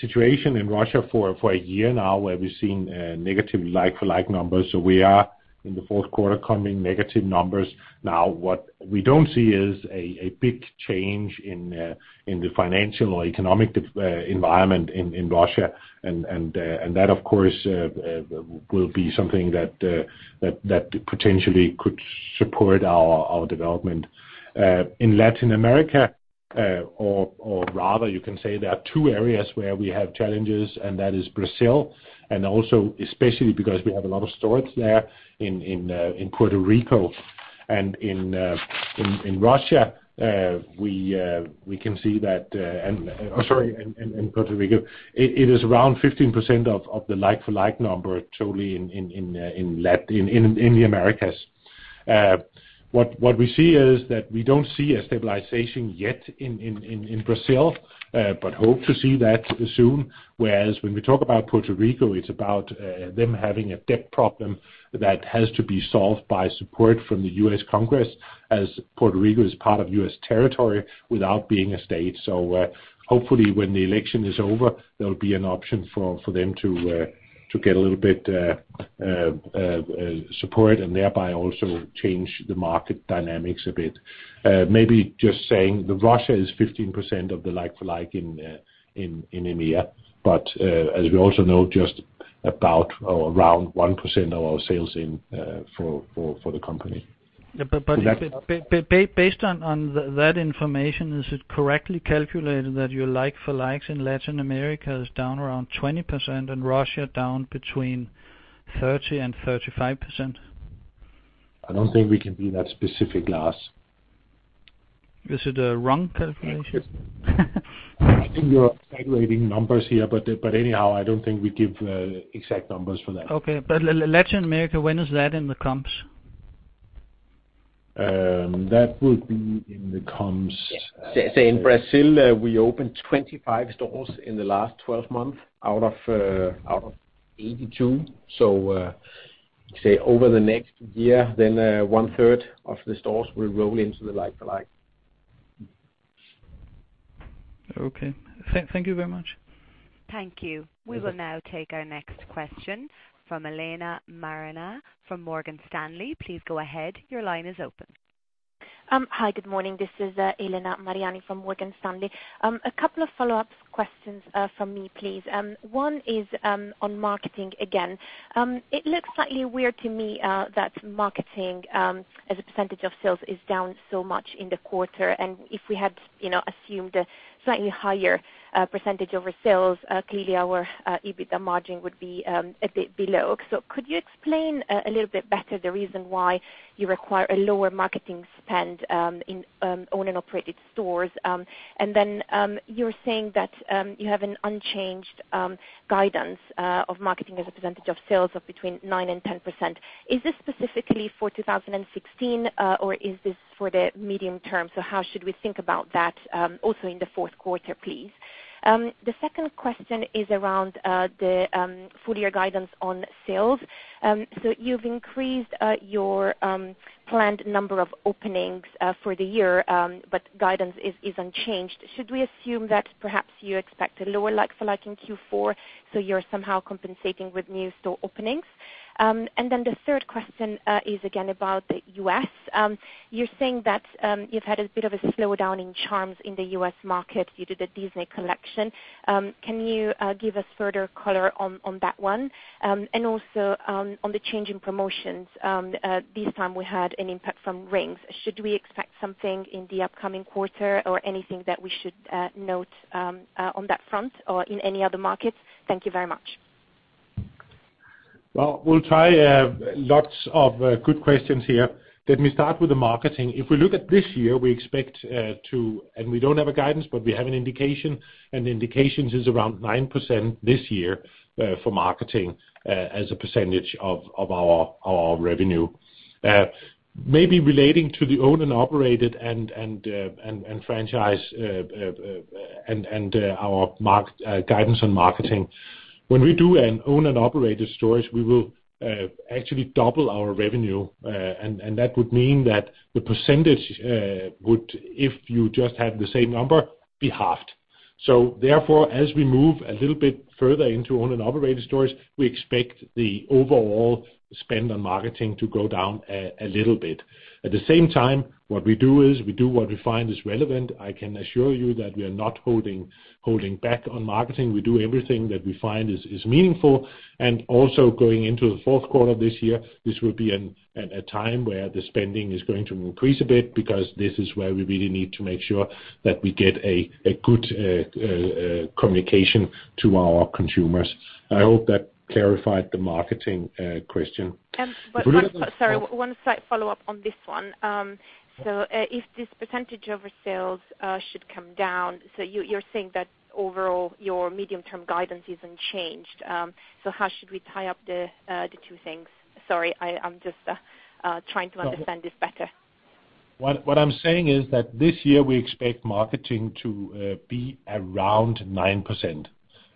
situation in Russia for a year now, where we've seen negative like-for-like numbers. So we are in the fourth quarter coming negative numbers. Now, what we don't see is a big change in the financial or economic environment in Russia, and that, of course, will be something that potentially could support our development. In Latin America, or rather, you can say there are two areas where we have challenges, and that is Brazil, and also especially because we have a lot of stores there in Puerto Rico. Sorry, in Puerto Rico, it is around 15% of the like-for-like number totally in Latin America in the Americas. What we see is that we don't see a stabilization yet in Brazil, but hope to see that soon. Whereas when we talk about Puerto Rico, it's about them having a debt problem that has to be solved by support from the U.S. Congress, as Puerto Rico is part of U.S. territory without being a state. So, hopefully, when the election is over, there will be an option for them to get a little bit support and thereby also change the market dynamics a bit. Maybe just saying that Russia is 15% of the like-for-like in EMEA, but as we also know, just about or around 1% of our sales for the company. Yeah, but based on that information, is it correctly calculated that your like-for-like in Latin America is down around 20% and Russia down between 30% and 35%? I don't think we can be that specific, Lars. Is it a wrong calculation? I think you're segregating numbers here, but anyhow, I don't think we give exact numbers for that. Okay, but Latin America, when is that in the comps? That will be in the comps. Say, in Brazil, we opened 25 stores in the last 12 months, out of 82. So, say, over the next year, then, one third of the stores will roll into the like-for-like. Okay. Thank you very much. Thank you. We will now take our next question from Elena Mariani, from Morgan Stanley. Please go ahead. Your line is open. Hi, good morning, this is Elena Mariani from Morgan Stanley. A couple of follow-up questions from me, please. One is on marketing again. It looks slightly weird to me that marketing as a percentage of sales is down so much in the quarter, and if we had, you know, assumed a slightly higher percentage over sales, clearly our EBITDA margin would be a bit below. So could you explain a little bit better the reason why you require a lower marketing spend in Owned and Operated stores? And then, you're saying that you have an unchanged guidance of marketing as a percentage of sales of between 9% and 10%. Is this specifically for 2016, or is this for the medium term? So how should we think about that, also in the fourth quarter, please? The second question is around the full year guidance on sales. So you've increased your planned number of openings for the year, but guidance is unchanged. Should we assume that perhaps you expect a lower like-for-like in Q4, so you're somehow compensating with new store openings? And then the third question is again about the U.S. You're saying that you've had a bit of a slowdown in charms in the U.S. market due to the Disney collection. Can you give us further color on that one? And also on the change in promotions, this time we had an impact from rings. Should we expect something in the upcoming quarter or anything that we should note on that front or in any other markets? Thank you very much. Well, we'll try, lots of good questions here. Let me start with the marketing. If we look at this year, we expect to and we don't have a guidance, but we have an indication, and the indication is around 9% this year for marketing as a percentage of our revenue. Maybe relating to the owned and operated and our marketing guidance on marketing. When we do an owned and operated stores, we will actually double our revenue and that would mean that the percentage would, if you just had the same number, be halved. So therefore, as we move a little bit further into owned and operated stores, we expect the overall spend on marketing to go down a little bit. At the same time, what we do is, we do what we find is relevant. I can assure you that we are not holding back on marketing. We do everything that we find is meaningful, and also going into the fourth quarter this year, this will be a time where the spending is going to increase a bit, because this is where we really need to make sure that we get a good communication to our consumers. I hope that clarified the marketing question. One slight follow-up on this one. Sorry. So, if this percentage over sales should come down, so you're saying that overall, your medium-term guidance isn't changed. So how should we tie up the two things? Sorry, I'm just trying to understand this better. What, what I'm saying is that this year, we expect marketing to be around 9%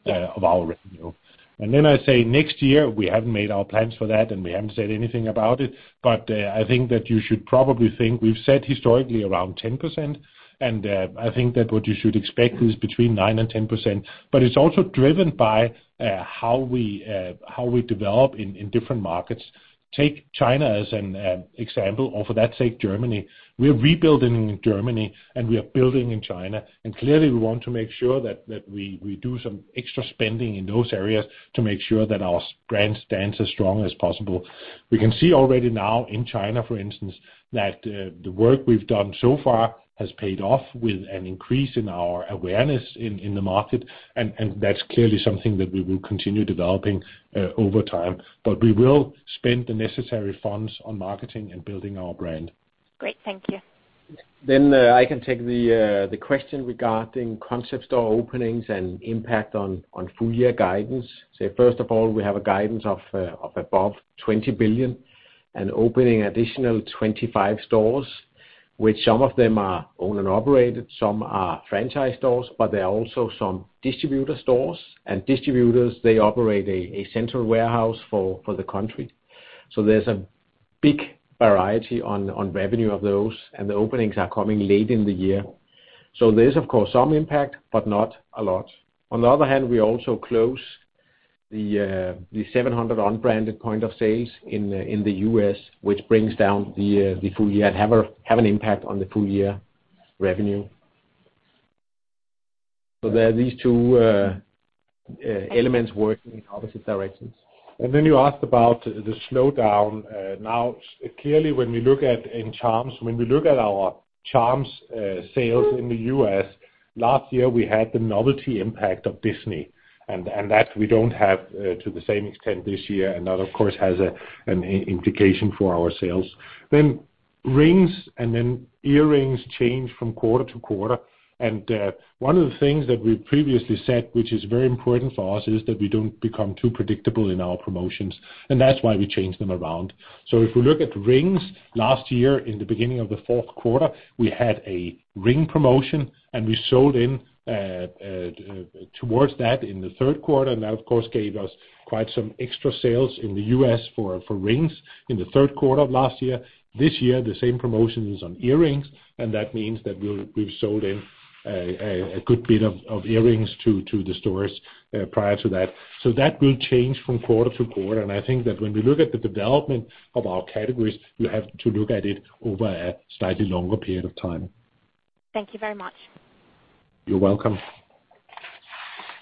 of our revenue. Yeah. And then I say, next year, we haven't made our plans for that, and we haven't said anything about it, but, I think that you should probably think we've said historically around 10%, and, I think that what you should expect is between 9% and 10%. But it's also driven by, how we, how we develop in, in different markets. Take China as an, an example, or for that sake, Germany. We are rebuilding in Germany, and we are building in China, and clearly we want to make sure that, that we, we do some extra spending in those areas to make sure that our brand stands as strong as possible. We can see already now in China, for instance, that the work we've done so far has paid off with an increase in our awareness in the market, and that's clearly something that we will continue developing over time. But we will spend the necessary funds on marketing and building our brand. Great, thank you. Then, I can take the question regarding concept store openings and impact on full year guidance. So first of all, we have a guidance of above 20 billion, and opening additional 25 stores, which some of them are owned and operated, some are franchise stores, but there are also some distributor stores. Distributors, they operate a central warehouse for the country. So there's a big variety on revenue of those, and the openings are coming late in the year. So there is, of course, some impact, but not a lot. On the other hand, we also close the 700 unbranded points of sale in the U.S., which brings down the full year and have an impact on the full year revenue. There are these two elements working in opposite directions. And then you asked about the slowdown. Now, clearly, when we look at in charms, when we look at our charms, sales in the U.S. Last year, we had the novelty impact of Disney, and that we don't have to the same extent this year, and that, of course, has an implication for our sales. Then rings and then earrings change from quarter-to-quarter. And one of the things that we previously said, which is very important for us, is that we don't become too predictable in our promotions, and that's why we change them around. So, if we look at rings, last year, in the beginning of the fourth quarter, we had a ring promotion, and we sold in towards that in the third quarter. And that, of course, gave us quite some extra sales in the U.S. for rings in the third quarter of last year. This year, the same promotion is on earrings, and that means that we've sold in a good bit of earrings to the stores prior to that. So that will change from quarter-to-quarter, and I think that when we look at the development of our categories, you have to look at it over a slightly longer period of time. Thank you very much. You're welcome.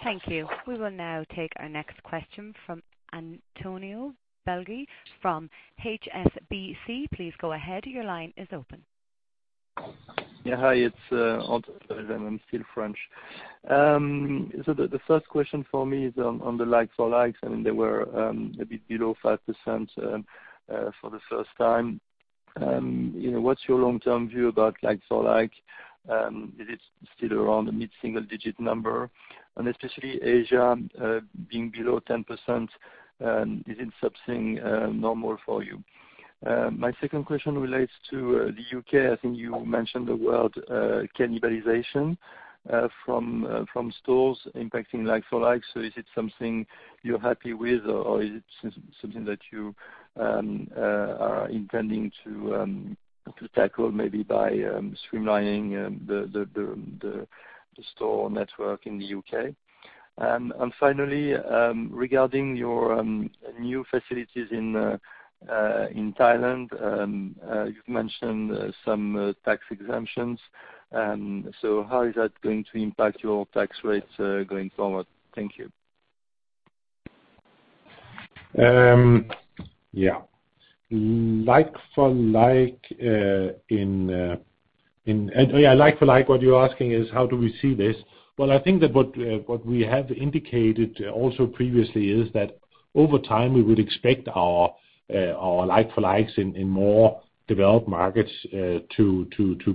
Thank you. We will now take our next question from Antoine Belge from HSBC. Please go ahead. Your line is open. Yeah, hi, it's Antoine Belge, and I'm still French. So the first question for me is on the like-for-likes. I mean, they were a bit below 5% for the first time. You know, what's your long-term view about like-for-like? Is it still around the mid-single digit number? And especially Asia being below 10%, is it something normal for you? My second question relates to the U.K. I think you mentioned the word cannibalization from stores impacting like-for-like, so is it something you're happy with, or is it something that you are intending to tackle, maybe by streamlining the store network in the U.K.? And finally, regarding your new facilities in Thailand, you've mentioned some tax exemptions. So how is that going to impact your tax rates going forward? Thank you. Yeah. Like-for-like. Yeah, like-for-like, what you're asking is how do we see this? Well, I think that what we have indicated also previously is that over time, we would expect our like-for-likes in more developed markets to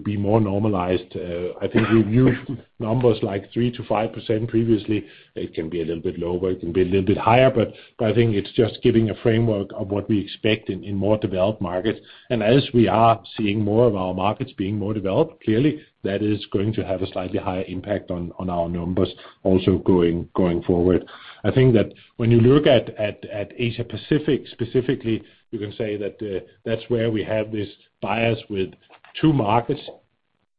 be more normalized. I think we've used numbers like 3%-5% previously. It can be a little bit lower, it can be a little bit higher, but I think it's just giving a framework of what we expect in more developed markets. And as we are seeing more of our markets being more developed, clearly, that is going to have a slightly higher impact on our numbers also going forward. I think that when you look at Asia Pacific specifically, you can say that that's where we have this bias with two markets,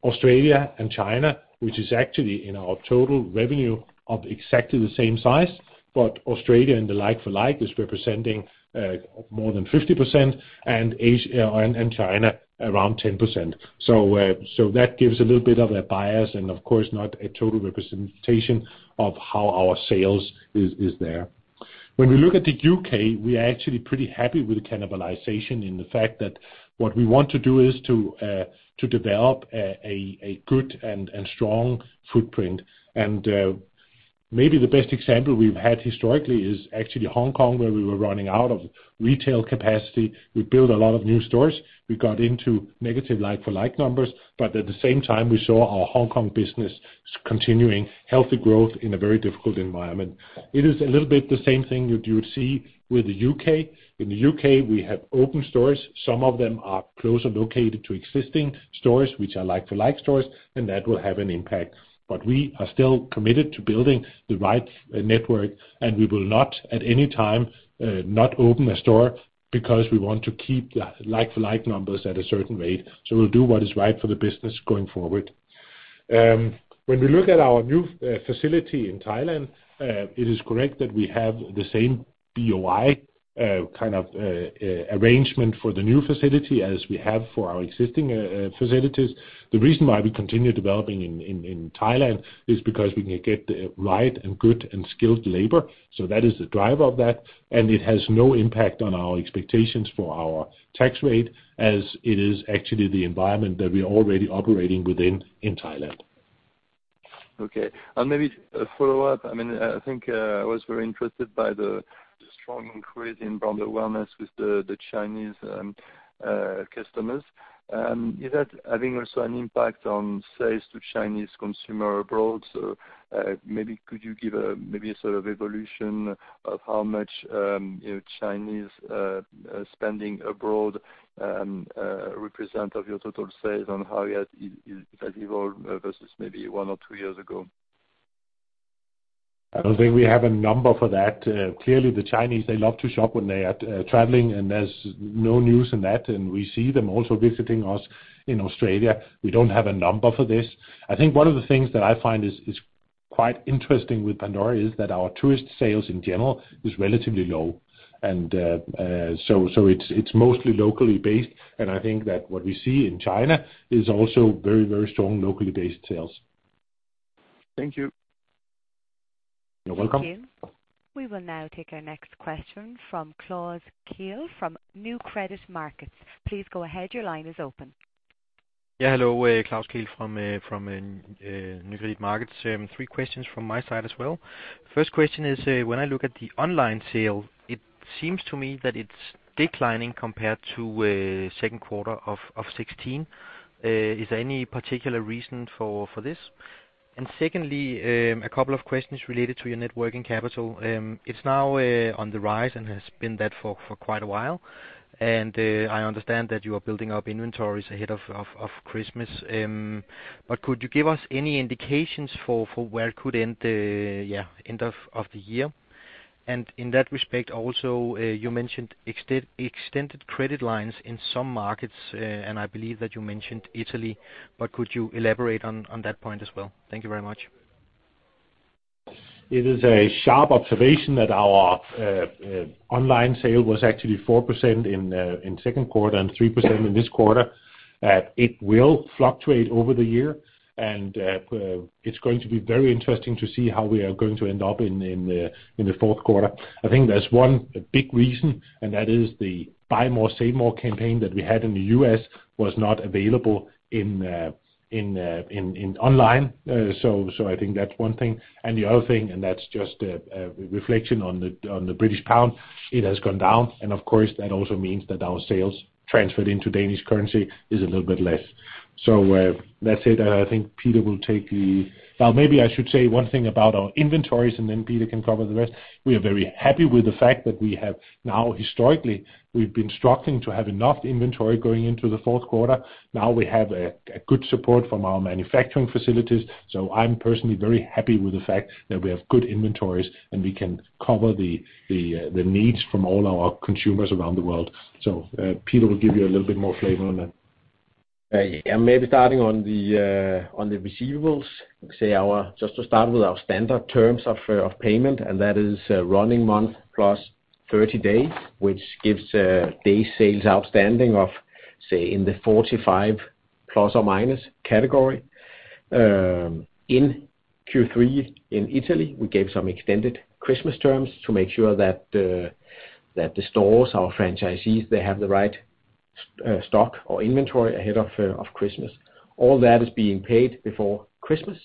Australia and China, which is actually in our total revenue of exactly the same size. But Australia in the like-for-like is representing more than 50%, and Asia and China around 10%. So that gives a little bit of a bias and, of course, not a total representation of how our sales is there. When we look at the U.K., we are actually pretty happy with the cannibalization in the fact that what we want to do is to develop a good and strong footprint. And maybe the best example we've had historically is actually Hong Kong, where we were running out of retail capacity. We built a lot of new stores. We got into negative like-for-like numbers, but at the same time, we saw our Hong Kong business continuing healthy growth in a very difficult environment. It is a little bit the same thing you would see with the U.K. In the U.K., we have open stores. Some of them are closer located to existing stores, which are like-for-like stores, and that will have an impact. But we are still committed to building the right network, and we will not, at any time, not open a store because we want to keep the like-for-like numbers at a certain rate. So we'll do what is right for the business going forward. When we look at our new facility in Thailand, it is correct that we have the same BOI kind of arrangement for the new facility as we have for our existing facilities. The reason why we continue developing in Thailand is because we can get the right and good and skilled labor, so that is the driver of that. It has no impact on our expectations for our tax rate, as it is actually the environment that we are already operating within in Thailand. Okay. Maybe a follow-up. I mean, I think I was very interested by the strong increase in brand awareness with the Chinese customers. Is that having also an impact on sales to Chinese consumer abroad? So, maybe could you give a maybe a sort of evolution of how much, you know, Chinese spending abroad represent of your total sales and how that is, has evolved versus maybe one or two years ago? I don't think we have a number for that. Clearly, the Chinese, they love to shop when they are traveling, and there's no news in that, and we see them also visiting us in Australia. We don't have a number for this. I think one of the things that I find is quite interesting with Pandora is that our tourist sales in general is relatively low. And so it's mostly locally based, and I think that what we see in China is also very, very strong locally based sales. Thank you. You're welcome. We will now take our next question from Klaus Kehl from Nykredit Markets. Please go ahead. Your line is open. Yeah, hello, Klaus Kehl from Nykredit Markets. Three questions from my side as well. First question is, when I look at the online sale, it seems to me that it's declining compared to second quarter of 2016. Is there any particular reason for this? And secondly, a couple of questions related to your net working capital. It's now on the rise and has been that for quite a while, and I understand that you are building up inventories ahead of Christmas. But could you give us any indications for where it could end, end of the year? In that respect, also, you mentioned extended credit lines in some markets, and I believe that you mentioned Italy, but could you elaborate on that point as well? Thank you very much. It is a sharp observation that our online sale was actually 4% in second quarter and 3% in this quarter. It will fluctuate over the year, and it's going to be very interesting to see how we are going to end up in the fourth quarter. I think there's one big reason, and that is the Buy More, Save More campaign that we had in the U.S. was not available in online. So I think that's one thing. And the other thing, and that's just a reflection on the British pound, it has gone down, and of course, that also means that our sales transferred into Danish currency is a little bit less. So that said, I think Peter will take the Well, maybe I should say one thing about our inventories, and then Peter can cover the rest. We are very happy with the fact that we have now, historically, we've been struggling to have enough inventory going into the fourth quarter. Now we have a good support from our manufacturing facilities, so I'm personally very happy with the fact that we have good inventories, and we can cover the needs from all our consumers around the world. So, Peter will give you a little bit more flavor on that. Yeah, maybe starting on the receivables, say our, just to start with our standard terms of payment, and that is running month plus 30 days, which gives day sales outstanding of, say, in the 45±, category. In Q3, in Italy, we gave some extended Christmas terms to make sure that the stores, our franchisees, they have the right stock or inventory ahead of Christmas. All that is being paid before Christmas,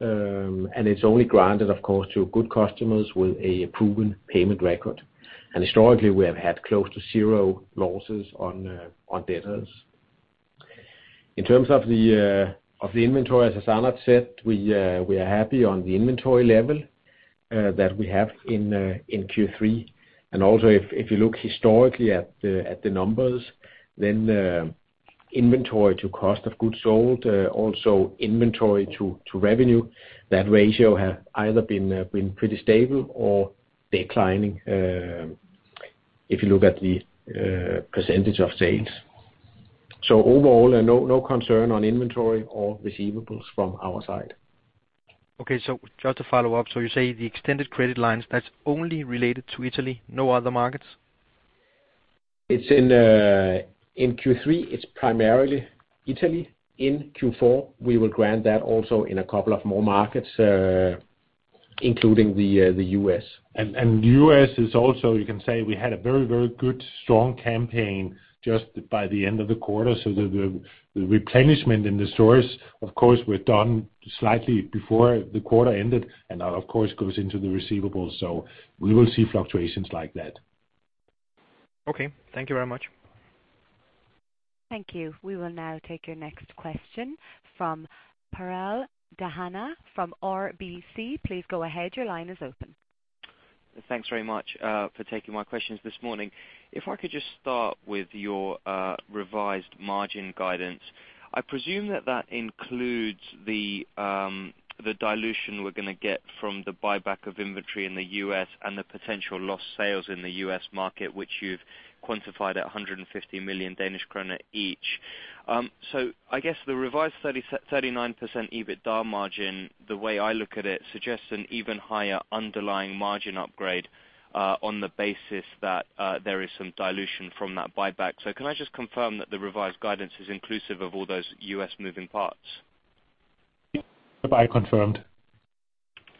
and it's only granted, of course, to good customers with a proven payment record. Historically, we have had close to zero losses on debtors. In terms of the inventory, as Anders said, we are happy on the inventory level that we have in Q3. Also, if you look historically at the numbers, then inventory to cost of goods sold, also inventory to revenue, that ratio has either been pretty stable or declining, if you look at the percentage of sales. So overall, no concern on inventory or receivables from our side. Okay. So just to follow up, so you say the extended credit lines, that's only related to Italy, no other markets? It's in Q3, it's primarily Italy. In Q4, we will grant that also in a couple of more markets, including the U.S. And the U.S. is also, you can say we had a very, very good, strong campaign just by the end of the quarter, so the replenishment in the stores, of course, were done slightly before the quarter ended and that, of course, goes into the receivables, so we will see fluctuations like that. Okay. Thank you very much. Thank you. We will now take your next question from Piral Dadhania from RBC. Please go ahead. Your line is open. Thanks very much for taking my questions this morning. If I could just start with your revised margin guidance. I presume that that includes the dilution we're going to get from the buyback of inventory in the U.S. and the potential lost sales in the U.S. market, which you've quantified at 150 million Danish kroner each. So I guess the revised 39% EBITDA margin, the way I look at it, suggests an even higher underlying margin upgrade on the basis that there is some dilution from that buyback. So can I just confirm that the revised guidance is inclusive of all those U.S. moving parts? By confirmed.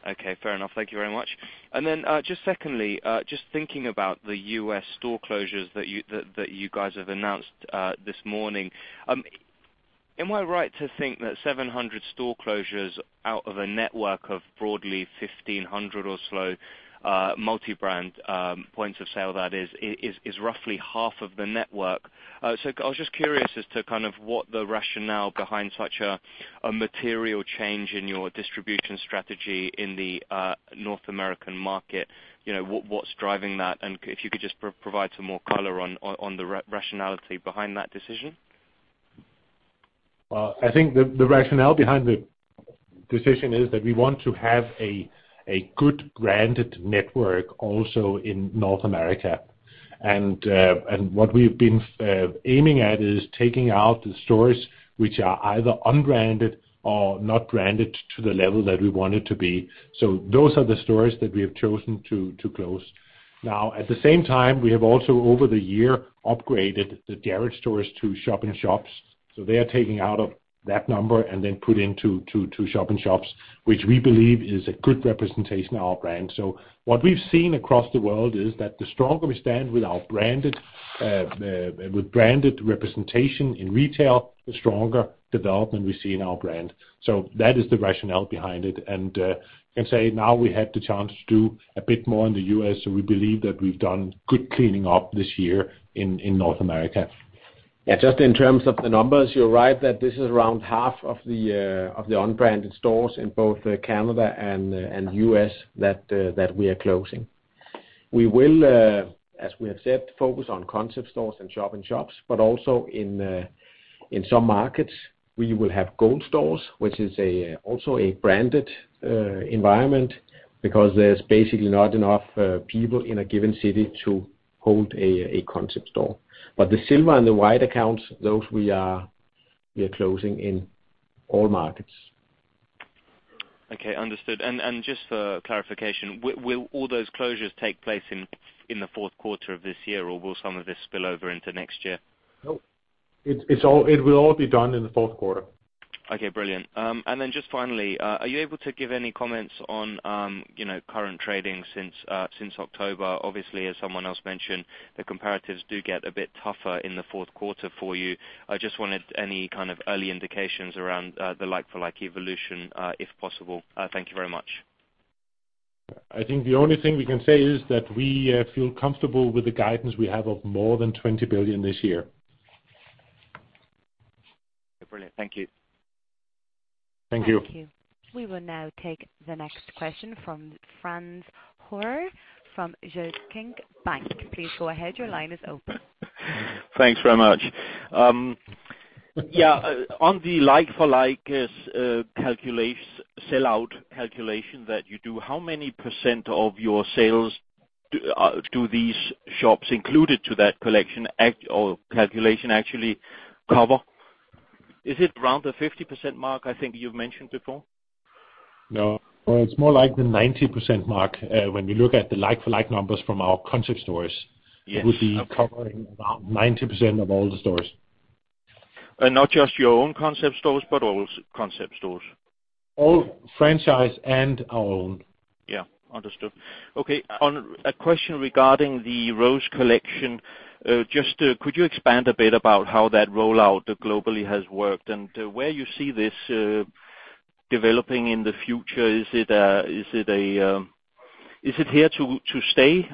Okay, fair enough. Thank you very much. And then, just secondly, just thinking about the U.S. store closures that you guys have announced this morning. Am I right to think that 700 store closures out of a network of broadly 1,500 or so multi-brand points of sale that is roughly half of the network? So I was just curious as to kind of what the rationale behind such a material change in your distribution strategy in the North American market, you know, what's driving that? And if you could just provide some more color on the rationality behind that decision. Well, I think the rationale behind the decision is that we want to have a good branded network also in North America. And what we've been aiming at is taking out the stores which are either unbranded or not branded to the level that we want it to be. So those are the stores that we have chosen to close. Now, at the same time, we have also, over the year, upgraded the Jared stores to shop-in-shops. So they are taking out of that number, and then put into shop-in-shops, which we believe is a good representation of our brand. So what we've seen across the world is that the stronger we stand with our branded representation in retail, the stronger development we see in our brand. That is the rationale behind it, and, I'd say now we have the chance to do a bit more in the U.S., so we believe that we've done good cleaning up this year in North America. Yeah, just in terms of the numbers, you're right that this is around half of the unbranded stores in both Canada and U.S. that we are closing. We will, as we have said, focus on concept stores and shop-in-shops, but also in some markets, we will have gold accounts, which is also a branded environment, because there's basically not enough people in a given city to hold a concept store. But the silver accounts and the white accounts, those we are closing in all markets. Okay, understood. And just for clarification, will all those closures take place in the fourth quarter of this year, or will some of this spill over into next year? Nope. It's all, it will all be done in the fourth quarter. Okay, brilliant. And then just finally, are you able to give any comments on, you know, current trading since October? Obviously, as someone else mentioned, the comparatives do get a bit tougher in the fourth quarter for you. I just wanted any kind of early indications around the like-for-like evolution, if possible. Thank you very much. I think the only thing we can say is that we feel comfortable with the guidance we have of more than 20 billion this year. Brilliant. Thank you. Thank you. Thank you. We will now take the next question from Frans Høyer from Jyske Bank. Please go ahead, your line is open. Thanks very much. Yeah, on the like-for-like sellout calculation that you do, how many percent of your sales do these shops included to that collection act or calculation actually cover? Is it around the 50% mark, I think you've mentioned before? No, it's more like the 90% mark, when we look at the like-for-like numbers from our Concept stores- Yes it would be covering about 90% of all the stores. Not just your own Concept stores, but all Concept stores? All franchise and our own. Yeah, understood. Okay, on a question regarding the Rose collection, just could you expand a bit about how that rollout globally has worked, and where you see this developing in the future? Is it here to stay?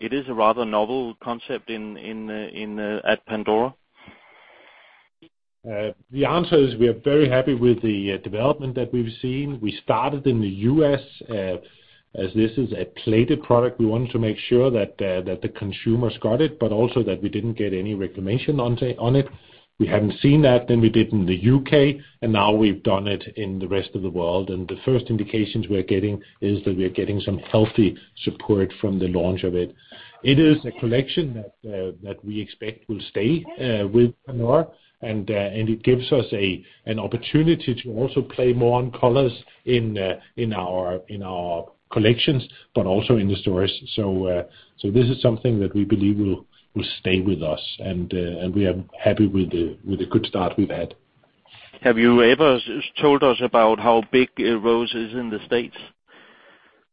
It is a rather novel concept in at Pandora. The answer is we are very happy with the development that we've seen. We started in the U.S., as this is a plated product, we wanted to make sure that the consumers got it, but also that we didn't get any reclamation on it. We hadn't seen that, then we did in the U.K., and now we've done it in the rest of the world. The first indications we're getting is that we are getting some healthy support from the launch of it. It is a collection that we expect will stay with Pandora, and it gives us an opportunity to also play more on colors in our collections, but also in the stores. So, this is something that we believe will stay with us, and we are happy with the good start we've had. Have you ever told us about how big Rose is in the States?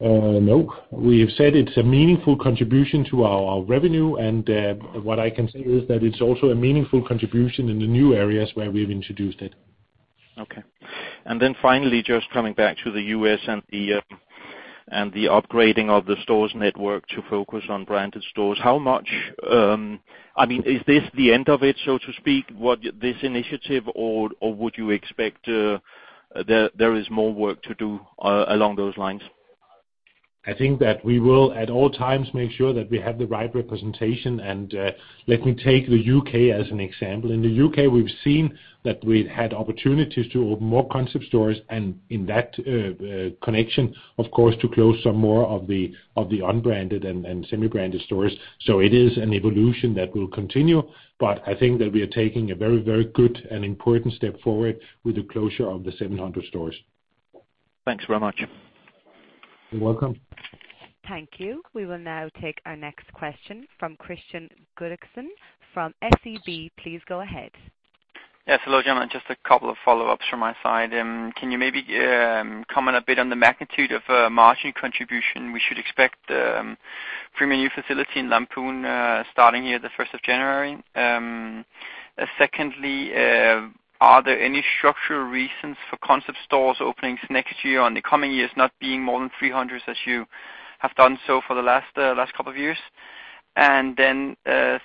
Nope. We have said it's a meaningful contribution to our revenue, and what I can say is that it's also a meaningful contribution in the new areas where we've introduced it. Okay. Then finally, just coming back to the U.S. and the upgrading of the stores' network to focus on branded stores, how much. I mean, is this the end of it, so to speak, what, this initiative, or would you expect there is more work to do along those lines? I think that we will, at all times, make sure that we have the right representation, and let me take the U.K. as an example. In the U.K., we've seen that we've had opportunities to open more Concept stores, and in that connection, of course, to close some more of the, of the unbranded and semi-branded stores. So it is an evolution that will continue, but I think that we are taking a very, very good and important step forward with the closure of the 700 stores. Thanks very much. You're welcome. Thank you. We will now take our next question from Kristian Godiksen, from SEB. Please go ahead. Yes, hello, gentlemen, just a couple of follow-ups from my side. Can you maybe comment a bit on the magnitude of margin contribution we should expect from your new facility in Lamphun starting the 1st of January? Secondly, are there any structural reasons for concept stores openings next year on the coming years, not being more than 300, as you have done so for the last couple of years? And then,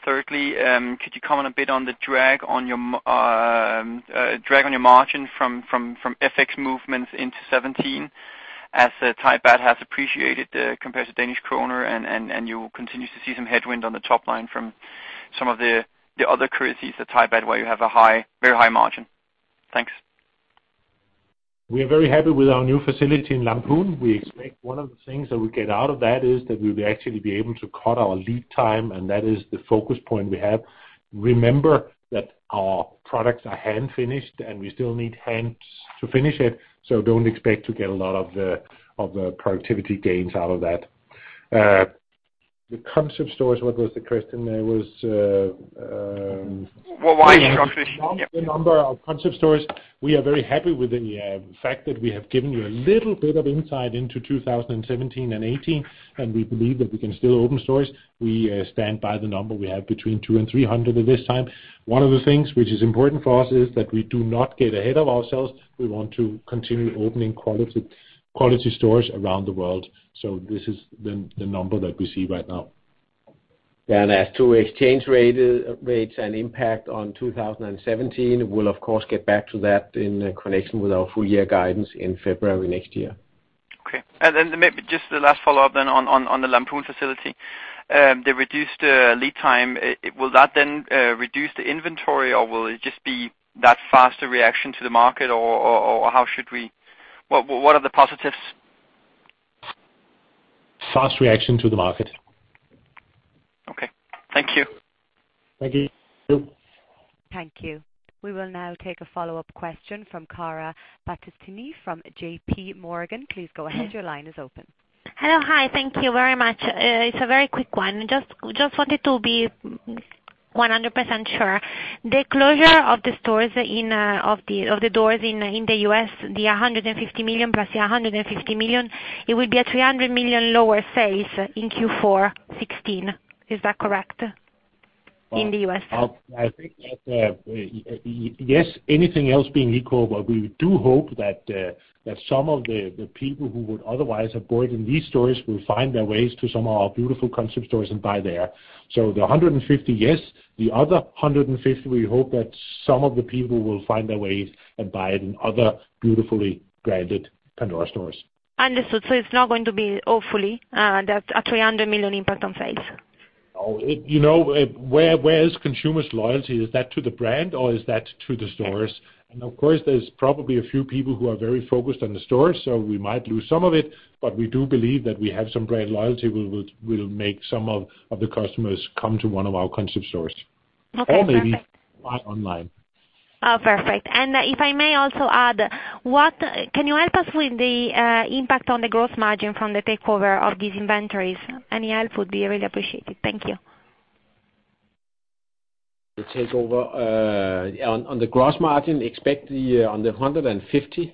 thirdly, could you comment a bit on the drag on your margin from FX movements into 2017? As the Thai baht has appreciated compared to Danish kroner, and you continue to see some headwind on the top line from some of the other currencies, the Thai baht, where you have a high, very high margin. Thanks. We are very happy with our new facility in Lamphun. We expect one of the things that we get out of that is that we will actually be able to cut our lead time, and that is the focus point we have. Remember that our products are hand-finished, and we still need hands to finish it, so don't expect to get a lot of the productivity gains out of that. The concept stores, what was the question? There was, Well, why- The number of concept stores. We are very happy with the fact that we have given you a little bit of insight into 2017 and 2018, and we believe that we can still open stores. We stand by the number we have between 200 and 300 at this time. One of the things which is important for us is that we do not get ahead of ourselves. We want to continue opening quality, quality stores around the world. So this is the number that we see right now. Yeah, and as to exchange rates and impact on 2017, we'll of course get back to that in connection with our full year guidance in February next year. Okay. And then maybe just the last follow-up then on the Lamphun facility. The reduced lead time, will that then reduce the inventory, or will it just be that faster reaction to the market, or how should we... What are the positives? Fast reaction to the market. Okay. Thank you. Thank you. Thank you. We will now take a follow-up question from Chiara Battistini from J.P. Morgan. Please go ahead. Your line is open. Hello. Hi, thank you very much. It's a very quick one. Just wanted to be 100% sure. The closure of the stores in the U.S., of the doors in the U.S., the 150 million plus 150 million, it will be a 300 million lower sales in Q4 2016. Is that correct? In the U.S. I think that yes, anything else being equal, but we do hope that some of the people who would otherwise have bought in these stores will find their ways to some of our beautiful concept stores and buy there. So the 150, yes. The other 150, we hope that some of the people will find their way and buy it in other beautifully branded Pandora stores. Understood. So it's not going to be awfully that a 300 million impact on sales? You know, where is consumers' loyalty? Is that to the brand or is that to the stores? And of course, there's probably a few people who are very focused on the stores, so we might lose some of it, but we do believe that we have some brand loyalty, which will make some of the customers come to one of our Concept stores. Okay, perfect. Or maybe buy online. Oh, perfect. If I may also add, can you help us with the impact on the gross margin from the takeover of these inventories? Any help would be really appreciated. Thank you. The takeover on the gross margin, expect the on the 150-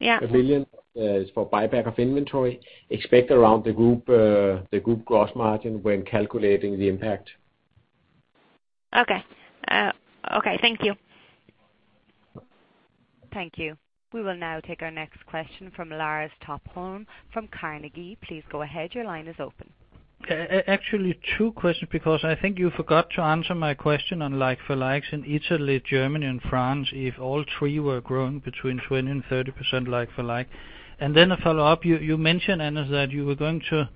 Yeah. million is for buyback of inventory. Expect around the group, the group gross margin when calculating the impact. Okay. Okay, thank you. Thank you. We will now take our next question from Lars Topholm, from Carnegie. Please go ahead. Your line is open. Actually, two questions, because I think you forgot to answer my question on like-for-like in Italy, Germany and France, if all three were growing between 20% and 30% like-for-like. And then a follow-up, you mentioned, Anders, that you were going to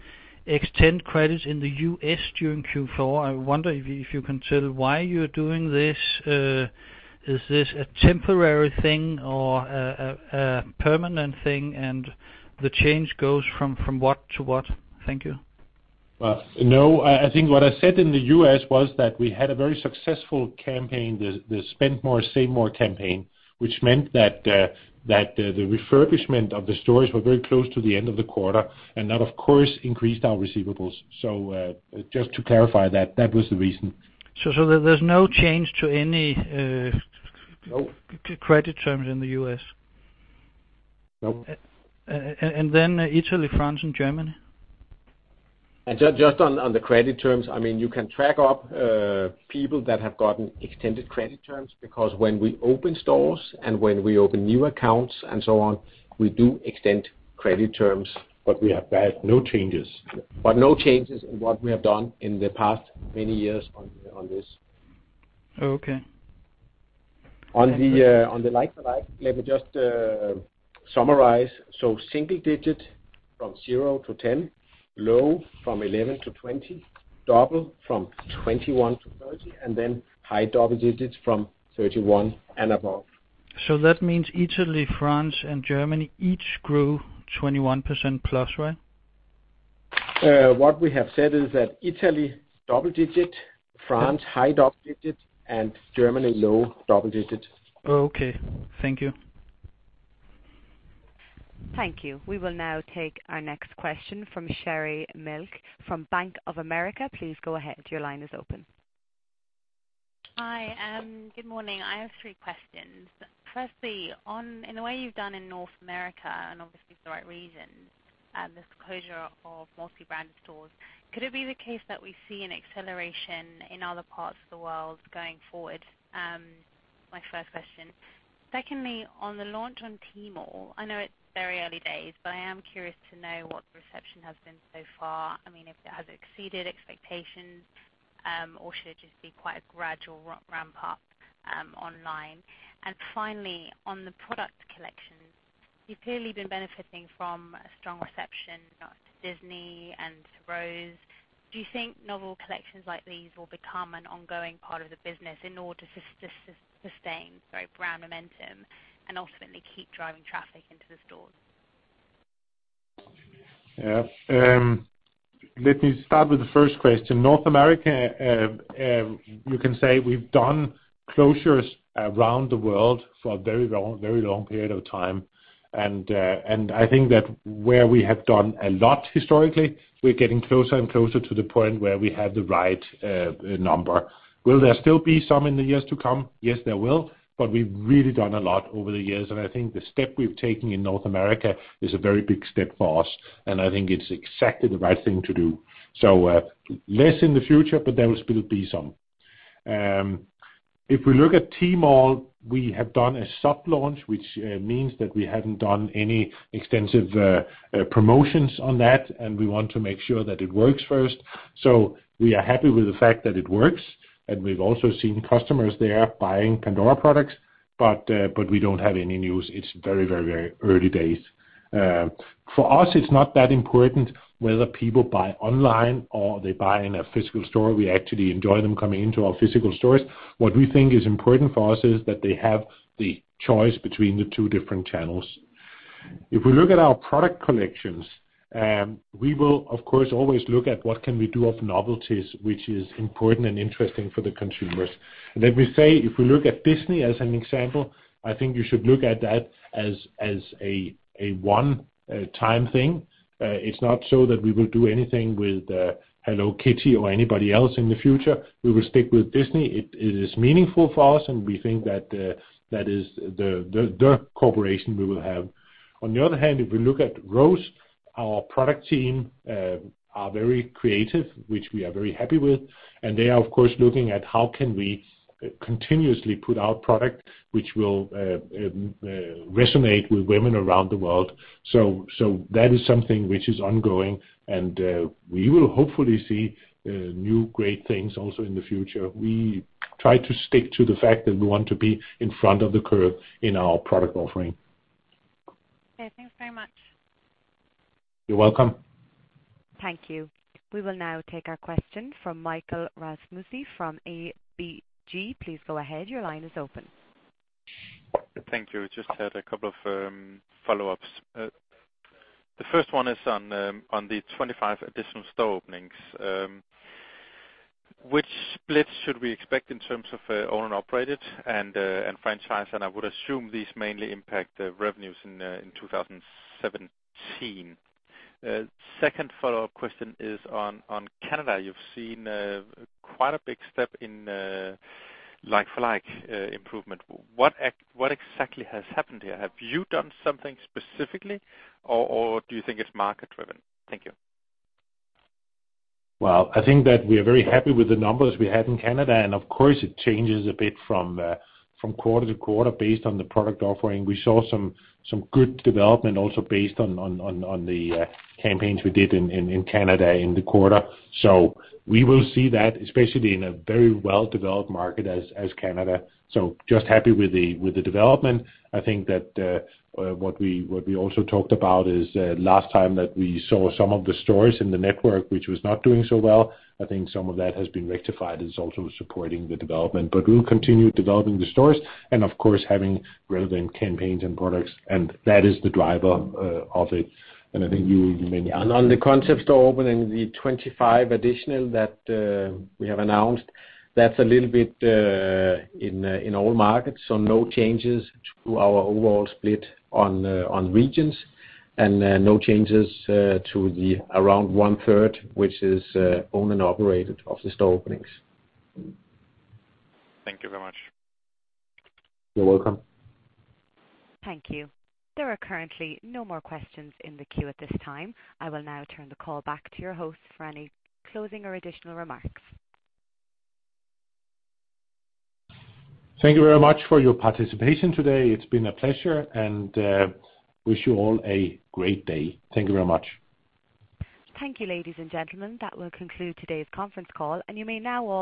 extend credits in the U.S. during Q4. I wonder if you can tell why you're doing this? Is this a temporary thing or a permanent thing? And the change goes from what to what? Thank you. Well, no, I, I think what I said in the U.S. was that we had a very successful campaign, the Spend More, Save More campaign, which meant that the refurbishment of the stores were very close to the end of the quarter, and that, of course, increased our receivables. So, just to clarify that, that was the reason. There's no change to any. No. credit terms in the U.S.? Nope. And then Italy, France and Germany. And just on the credit terms, I mean, you can track up people that have gotten extended credit terms, because when we open stores and when we open new accounts and so on, we do extend credit terms. But we have had no changes. But no changes in what we have done in the past many years on this. Oh, okay. On the like-for-like, let me just summarize. So single digit from zero-10, low from 11-20, and then double from 21-30, and then high double digits from 31 and above. So that means Italy, France, and Germany each grew 21%+, right? What we have said is that Italy, double digit, France, high double digit, and Germany, low double digit. Oh, okay. Thank you. Thank you. We will now take our next question from Sherri Malek from Bank of America Merrill Lynch. Please go ahead. Your line is open. Hi, good morning. I have three questions. Firstly, in the way you've done in North America, and obviously for the right reasons, this closure of multi-brand stores, could it be the case that we see an acceleration in other parts of the world going forward? My first question. Secondly, on the launch on Tmall, I know it's very early days, but I am curious to know what the reception has been so far. I mean, if it has exceeded expectations? Or should it just be quite a gradual ramp up online? And finally, on the product collections, you've clearly been benefiting from a strong reception to Disney and Rose. Do you think novel collections like these will become an ongoing part of the business in order to sustain very brand momentum and ultimately keep driving traffic into the stores? Yeah. Let me start with the first question. North America, you can say we've done closures around the world for a very long, very long period of time. And I think that where we have done a lot historically, we're getting closer and closer to the point where we have the right number. Will there still be some in the years to come? Yes, there will, but we've really done a lot over the years, and I think the step we've taken in North America is a very big step for us, and I think it's exactly the right thing to do. So, less in the future, but there will still be some. If we look at Tmall, we have done a soft launch, which means that we haven't done any extensive promotions on that, and we want to make sure that it works first. So we are happy with the fact that it works, and we've also seen customers there buying Pandora products, but we don't have any news. It's very, very, very early days. For us, it's not that important whether people buy online or they buy in a physical store. We actually enjoy them coming into our physical stores. What we think is important for us is that they have the choice between the two different channels. If we look at our product collections, we will, of course, always look at what can we do of novelties, which is important and interesting for the consumers. Then we say, if we look at Disney as an example, I think you should look at that as a one-time thing. It's not so that we will do anything with Hello Kitty or anybody else in the future. We will stick with Disney. It is meaningful for us, and we think that that is the cooperation we will have. On the other hand, if we look at Rose, our product team are very creative, which we are very happy with, and they are, of course, looking at how can we continuously put out product which will resonate with women around the world. So that is something which is ongoing, and we will hopefully see new great things also in the future. We try to stick to the fact that we want to be in front of the curve in our product offering. Okay, thanks very much. You're welcome. Thank you. We will now take our question from Michael Rasmussen from ABG. Please go ahead. Your line is open. Thank you. Just had a couple of follow-ups. The first one is on the 25 additional store openings. Which split should we expect in terms of owned and operated and franchise? And I would assume these mainly impact the revenues in 2017. Second follow-up question is on Canada. You've seen quite a big step in like-for-like improvement. What exactly has happened here? Have you done something specifically or do you think it's market driven? Thank you. Well, I think that we are very happy with the numbers we had in Canada, and of course, it changes a bit from quarter-to-quarter based on the product offering. We saw some good development also based on the campaigns we did in Canada in the quarter. So we will see that, especially in a very well-developed market as Canada. So just happy with the development. I think that what we also talked about last time that we saw some of the stores in the network, which was not doing so well, I think some of that has been rectified. It's also supporting the development, but we'll continue developing the stores and of course, having relevant campaigns and products, and that is the driver of it. On the concept store opening, the 25 additional that we have announced, that's a little bit in all markets, so no changes to our overall split on regions, and no changes to around one third, which is owned and operated of the store openings. Thank you very much. You're welcome. Thank you. There are currently no more questions in the queue at this time. I will now turn the call back to your host for any closing or additional remarks. Thank you very much for your participation today. It's been a pleasure, and wish you all a great day. Thank you very much. Thank you, ladies and gentlemen. That will conclude today's conference call, and you may now all-